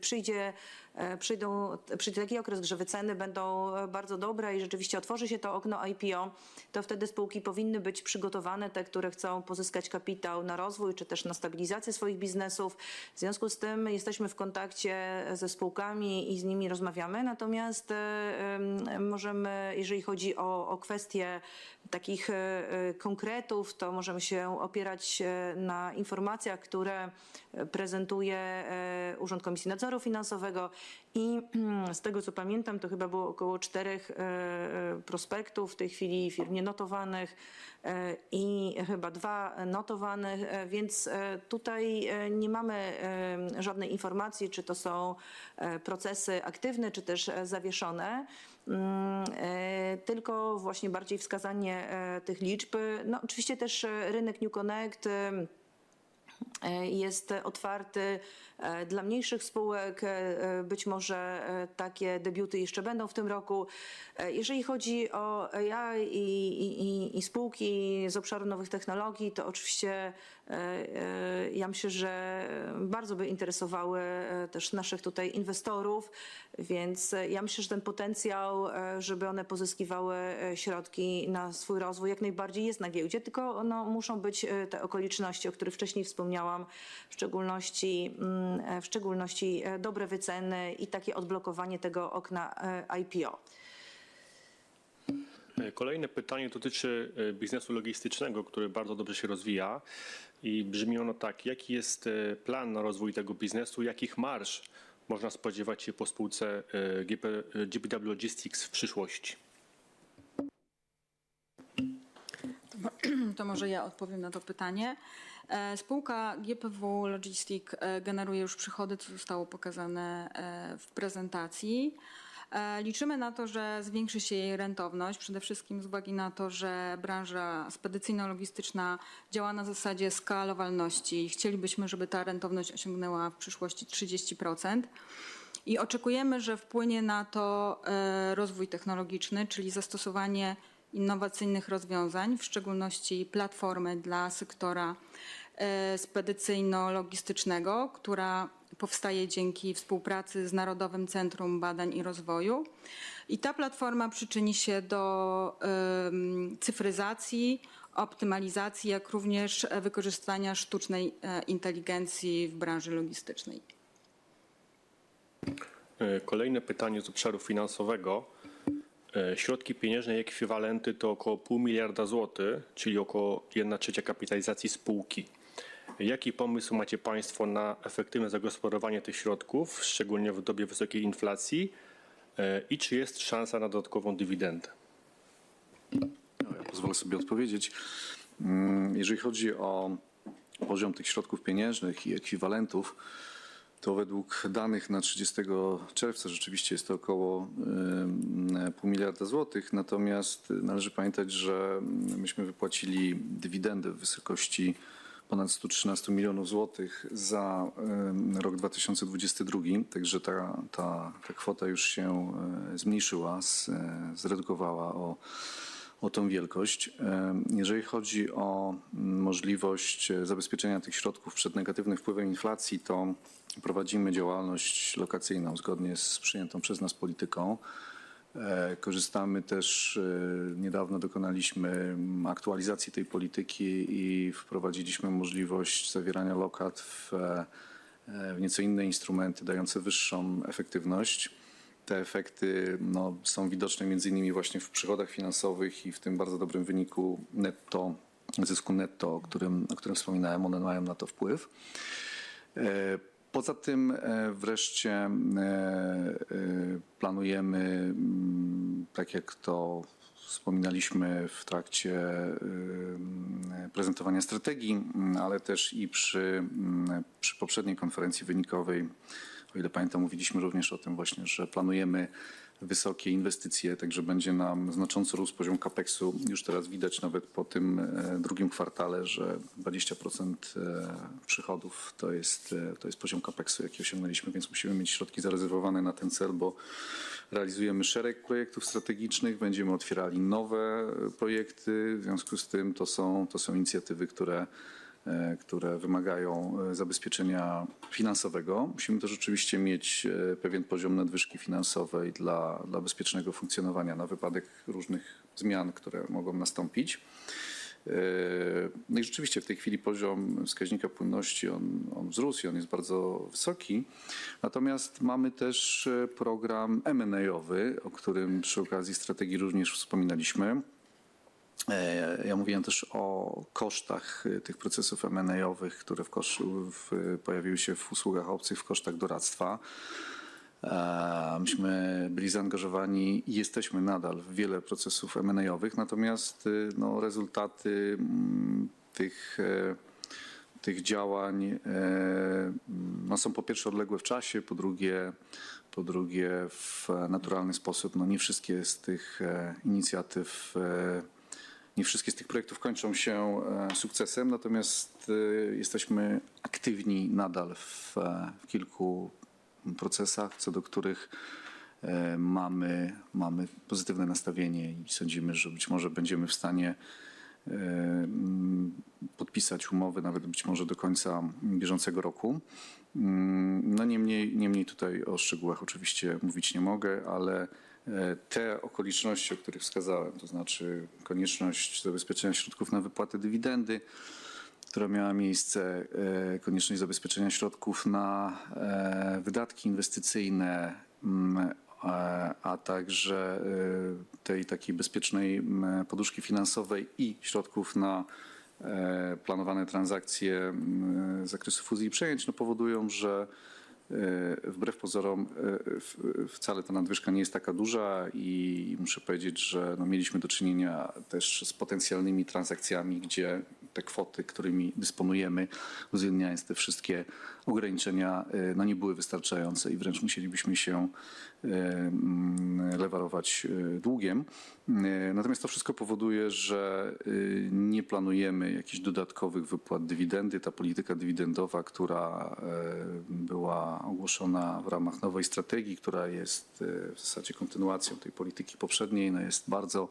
przyjdzie taki okres, że wyceny będą bardzo dobre i rzeczywiście otworzy się to okno IPO, to wtedy spółki powinny być przygotowane. Te, które chcą pozyskać kapitał na rozwój czy też na stabilizację swoich biznesów. W związku z tym jesteśmy w kontakcie ze spółkami i z nimi rozmawiamy. Możemy, jeżeli chodzi o kwestie takich konkretów, to możemy się opierać na informacjach, które prezentuje Urząd Komisji Nadzoru Finansowego. Z tego, co pamiętam, to chyba było około 4 prospektów w tej chwili firm nienotowanych i chyba 2 notowanych. Więc tutaj nie mamy żadnej informacji, czy to są procesy aktywne, czy też zawieszone. Tylko właśnie bardziej wskazanie tych liczb. Oczywiście też rynek NewConnect jest otwarty dla mniejszych spółek. Być może takie debiuty jeszcze będą w tym roku. Jeżeli chodzi o AI i spółki z obszaru nowych technologii, to oczywiście, ja myślę, że bardzo by interesowały też naszych tutaj inwestorów. Ja myślę, że ten potencjał, żeby one pozyskiwały środki na swój rozwój, jak najbardziej jest na giełdzie, tylko, no, muszą być te okoliczności, o których wcześniej wspomniałam. W szczególności, w szczególności dobre wyceny i takie odblokowanie tego okna IPO. Kolejne pytanie dotyczy biznesu logistycznego, który bardzo dobrze się rozwija i brzmi ono tak: jaki jest plan na rozwój tego biznesu? Jakich marż można spodziewać się po spółce GPW Logistic w przyszłości? To może ja odpowiem na to pytanie. Spółka GPW Logistic generuje już przychody, co zostało pokazane w prezentacji. Liczymy na to, że zwiększy się jej rentowność, przede wszystkim z uwagi na to, że branża spedycyjno-logistyczna działa na zasadzie skalowalności i chcielibyśmy, żeby ta rentowność osiągnęła w przyszłości 30%. Oczekujemy, że wpłynie na to rozwój technologiczny, czyli zastosowanie innowacyjnych rozwiązań, w szczególności platformy dla sektora spedycyjno-logistycznego, która powstaje dzięki współpracy z Narodowym Centrum Badań i Rozwoju. Ta platforma przyczyni się do cyfryzacji, optymalizacji, jak również wykorzystania sztucznej inteligencji w branży logistycznej. Kolejne pytanie z obszaru finansowego. Środki pieniężne i ekwiwalenty to około PLN 500 million, czyli około 1/3 kapitalizacji spółki. Jaki pomysł macie Państwo na efektywne zagospodarowanie tych środków, szczególnie w dobie wysokiej inflacji? Czy jest szansa na dodatkową dywidendę? Ja pozwolę sobie odpowiedzieć. Jeżeli chodzi o poziom tych środków pieniężnych i ekwiwalentów, to według danych na 30 czerwca rzeczywiście jest to około PLN 0.5 billion. Należy pamiętać, że myśmy wypłacili dywidendę w wysokości ponad PLN 113 million za rok 2022. Ta, ta kwota już się zmniejszyła, zredukowała o tą wielkość. Jeżeli chodzi o możliwość zabezpieczenia tych środków przed negatywnym wpływem inflacji, to prowadzimy działalność lokacyjną zgodnie z przyjętą przez nas polityką. Niedawno dokonaliśmy aktualizacji tej polityki i wprowadziliśmy możliwość zawierania lokat w nieco inne instrumenty, dające wyższą efektywność. Te efekty, no, są widoczne między innymi właśnie w przychodach finansowych i w tym bardzo dobrym wyniku netto, zysku netto, o którym wspominałem. One mają na to wpływ. poza tym wreszcie, planujemy, tak jak to wspominaliśmy w trakcie prezentowania strategii, ale też i przy poprzedniej konferencji wynikowej, o ile pamiętam, mówiliśmy również o tym właśnie, że planujemy wysokie inwestycje, będzie nam znacząco rósł poziom CapEx. Już teraz widać, nawet po tym second quarter, że 20% przychodów to jest poziom CapEx, jaki osiągnęliśmy, więc musimy mieć środki zarezerwowane na ten cel, bo realizujemy szereg projektów strategicznych. Będziemy otwierali nowe projekty. W związku z tym to są inicjatywy, które wymagają zabezpieczenia finansowego. Musimy też oczywiście mieć pewien poziom nadwyżki finansowej dla bezpiecznego funkcjonowania na wypadek różnych zmian, które mogą nastąpić. rzeczywiście, w tej chwili poziom wskaźnika płynności on wzrósł i on jest bardzo wysoki. Mamy też program M&A-owy, o którym przy okazji strategii również wspominaliśmy. Ja mówiłem też o kosztach tych procesów M&A-owych, które pojawiły się w usługach obcych, w kosztach doradztwa. Myśmy byli zaangażowani i jesteśmy nadal w wiele procesów M&A-owych, natomiast, no rezultaty, tych, tych działań, no są po pierwsze odległe w czasie, po drugie, po drugie, w naturalny sposób, no, nie wszystkie z tych inicjatyw, nie wszystkie z tych projektów kończą się sukcesem. Natomiast jesteśmy aktywni nadal w kilku procesach, co do których mamy, mamy pozytywne nastawienie i sądzimy, że być może będziemy w stanie, podpisać umowy nawet być może do końca bieżącego roku. No, niemniej, niemniej tutaj o szczegółach oczywiście mówić nie mogę, ale te okoliczności, o których wskazałem, to znaczy konieczność zabezpieczenia środków na wypłatę dywidendy, która miała miejsce, konieczność zabezpieczenia środków na wydatki inwestycyjne, a także tej takiej bezpiecznej poduszki finansowej i środków na planowane transakcje z zakresu fuzji i przejęć, no powodują, że wbrew pozorom wcale ta nadwyżka nie jest taka duża. Muszę powiedzieć, że, no, mieliśmy do czynienia też z potencjalnymi transakcjami, gdzie te kwoty, którymi dysponujemy, uwzględniając te wszystkie ograniczenia, no, nie były wystarczające i wręcz musielibyśmy się lewarować długiem. To wszystko powoduje, że nie planujemy jakichś dodatkowych wypłat dywidendy. Ta polityka dywidendowa, która była ogłoszona w ramach nowej strategii, która jest w zasadzie kontynuacją tej polityki poprzedniej, ona jest bardzo-...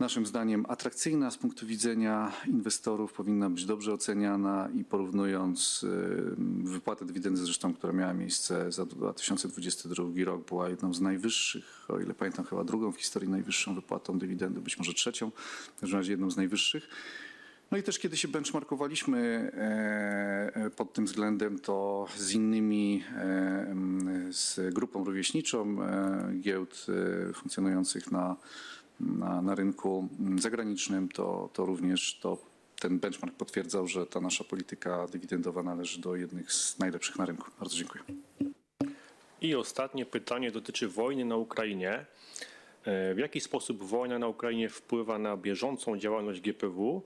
naszym zdaniem atrakcyjna z punktu widzenia inwestorów, powinna być dobrze oceniana i porównując wypłatę dywidendy, zresztą, która miała miejsce za 2022 rok, była jedną z najwyższych, o ile pamiętam, chyba drugą w historii najwyższą wypłatą dywidendy, być może trzecią. W każdym razie jedną z najwyższych. Kiedy się benchmarkowaliśmy pod tym względem, to z innymi, z grupą rówieśniczą giełd funkcjonujących na, na, na rynku zagranicznym, to, to również to, ten benchmark potwierdzał, że ta nasza polityka dywidendowa należy do jednych z najlepszych na rynku. Bardzo dziękuję. Ostatnie pytanie dotyczy wojny na Ukrainie. W jaki sposób wojna na Ukrainie wpływa na bieżącą działalność GPW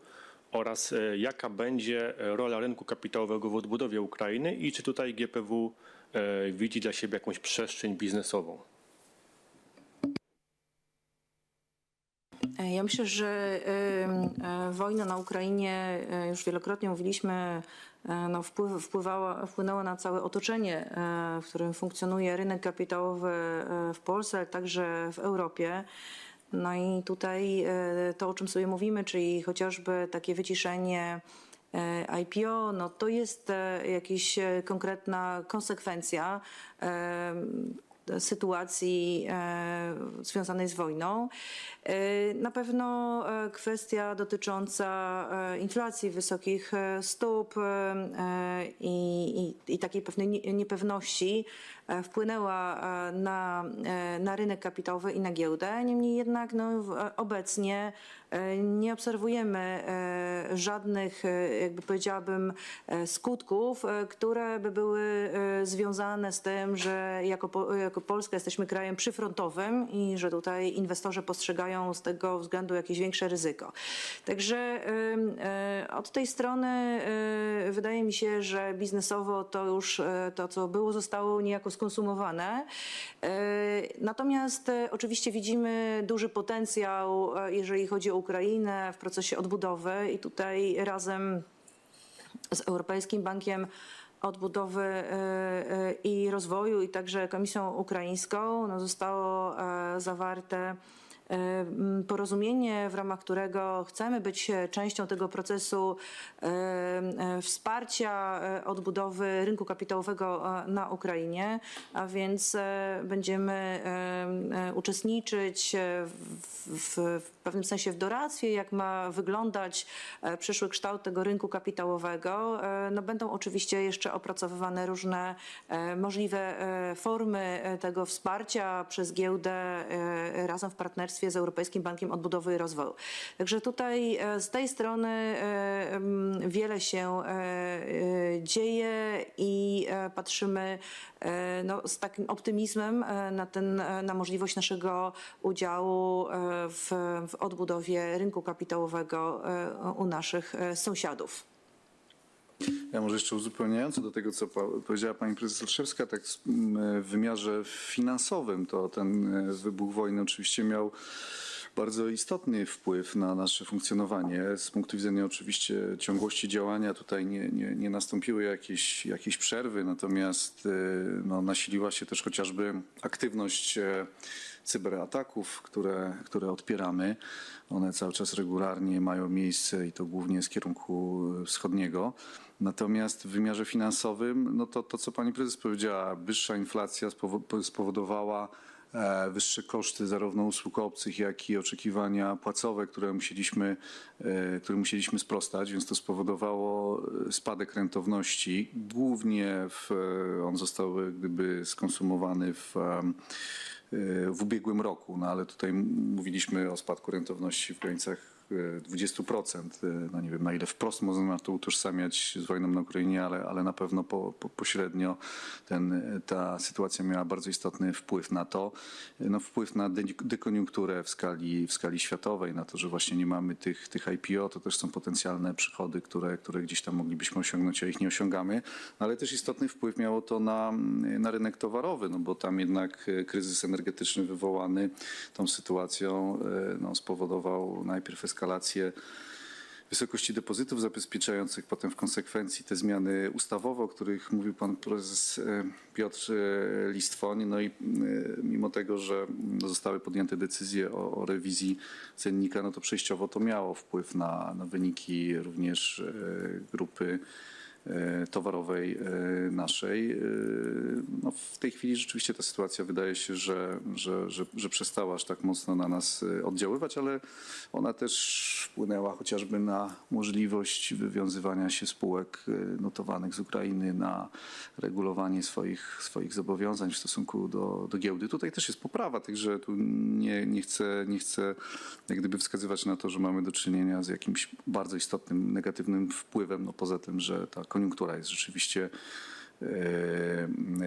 oraz jaka będzie rola rynku kapitałowego w odbudowie Ukrainy i czy tutaj GPW widzi dla siebie jakąś przestrzeń biznesową? Ja myślę, że wojna na Ukrainie, już wielokrotnie mówiliśmy, no, wpływ, wpływała, wpłynęła na całe otoczenie, w którym funkcjonuje rynek kapitałowy w Polsce, jak także w Europie. No i tutaj to, o czym sobie mówimy, czyli chociażby takie wyciszenie IPO, no to jest jakaś konkretna konsekwencja sytuacji związanej z wojną. Na pewno kwestia dotycząca inflacji, wysokich stóp i takiej pewnej nie-niepewności wpłynęła na rynek kapitałowy i na giełdę. Niemniej jednak, no, obecnie nie obserwujemy żadnych, jakby powiedziałabym, skutków, które by były związane z tym, że jako Polska jesteśmy krajem przyfrontowym i że tutaj inwestorzy postrzegają z tego względu jakieś większe ryzyko. Od tej strony wydaje mi się, że biznesowo to już to, co było, zostało niejako skonsumowane. Oczywiście widzimy duży potencjał, jeżeli chodzi o Ukrainę w procesie odbudowy. Tutaj razem z Europejskim Bankiem Odbudowy i Rozwoju, także Komisją Ukraińską, zostało zawarte porozumienie, w ramach którego chcemy być częścią tego procesu wsparcia odbudowy rynku kapitałowego na Ukrainie. Będziemy uczestniczyć w pewnym sensie w doradztwie, jak ma wyglądać przyszły kształt tego rynku kapitałowego. Będą oczywiście jeszcze opracowywane różne możliwe formy tego wsparcia przez giełdę, razem w partnerstwie z Europejskim Bankiem Odbudowy i Rozwoju. Tutaj z tej strony wiele się dzieje i patrzymy z takim optymizmem na ten, na możliwość naszego udziału w odbudowie rynku kapitałowego u naszych sąsiadów. Ja może jeszcze uzupełniająco do tego, co powiedziała pani prezes Olszewska. W wymiarze finansowym, to ten wybuch wojny oczywiście miał bardzo istotny wpływ na nasze funkcjonowanie. Z punktu widzenia oczywiście ciągłości działania tutaj nie nastąpiły jakieś, jakieś przerwy, natomiast, no, nasiliła się też chociażby aktywność cyberataków, które, które odpieramy. One cały czas regularnie mają miejsce i to głównie z kierunku wschodniego. W wymiarze finansowym, no to to, co pani prezes powiedziała: wyższa inflacja spowodowała wyższe koszty zarówno usług obcych, jak i oczekiwania płacowe, które musieliśmy, którym musieliśmy sprostać, więc to spowodowało spadek rentowności. Głównie. On został, jak gdyby skonsumowany w, w ubiegłym roku, no ale tutaj mówiliśmy o spadku rentowności w granicach 20%. No, nie wiem, na ile wprost możemy to utożsamiać z wojną na Ukrainie, ale, ale na pewno pośrednio ten, ta sytuacja miała bardzo istotny wpływ na to. No, wpływ na dekoniunkturę w skali, w skali światowej, na to, że właśnie nie mamy tych, tych IPO. To też są potencjalne przychody, które, które gdzieś tam moglibyśmy osiągnąć, a ich nie osiągamy. Też istotny wpływ miało to na, na rynek towarowy, no bo tam jednak kryzys energetyczny wywołany tą sytuacją, no, spowodował najpierw eskalację wysokości depozytów zabezpieczających, potem w konsekwencji te zmiany ustawowe, o których mówił pan Prezes Piotr Listwoń. Mimo tego, że zostały podjęte decyzje o rewizji cennika, no to przejściowo to miało wpływ na, na wyniki również grupy towarowej naszej. No, w tej chwili rzeczywiście ta sytuacja wydaje się, że, że, że, że przestała aż tak mocno na nas oddziaływać, ale ona też wpłynęła chociażby na możliwość wywiązywania się spółek notowanych z Ukrainy, na regulowanie swoich, swoich zobowiązań w stosunku do, do giełdy. Tutaj też jest poprawa, także tu nie, nie chcę, nie chcę jak gdyby wskazywać na to, że mamy do czynienia z jakimś bardzo istotnym negatywnym wpływem, no poza tym, że ta koniunktura jest rzeczywiście,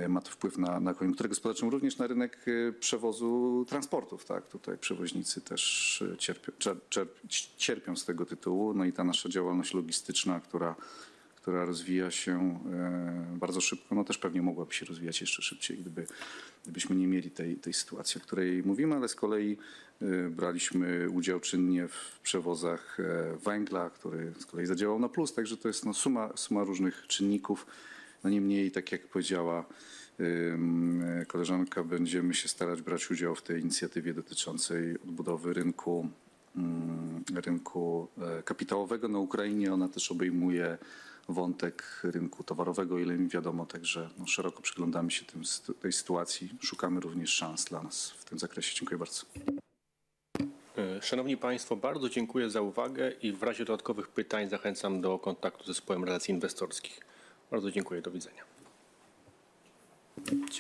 ma to wpływ na koniunkturę gospodarczą, również na rynek przewozu transportów, tak? Tutaj przewoźnicy też cierpią, cierpią z tego tytułu. No ta nasza działalność logistyczna, która, która rozwija się bardzo szybko, no, też pewnie mogłaby się rozwijać jeszcze szybciej, gdyby gdybyśmy nie mieli tej, tej sytuacji, o której mówimy. Z kolei braliśmy udział czynnie w przewozach węgla, który z kolei zadziałał na plus. To jest, no, suma, suma różnych czynników. No, niemniej, tak jak powiedziała koleżanka, będziemy się starać brać udział w tej inicjatywie dotyczącej odbudowy rynku, rynku kapitałowego na Ukrainie. Ona też obejmuje wątek rynku towarowego, o ile mi wiadomo. Szeroko przyglądamy się tym, tej sytuacji. Szukamy również szans dla nas w tym zakresie. Dziękuję bardzo. Szanowni Państwo, bardzo dziękuję za uwagę i w razie dodatkowych pytań zachęcam do kontaktu z Zespołem Relacji Inwestorskich. Bardzo dziękuję, do widzenia. Dziękuję.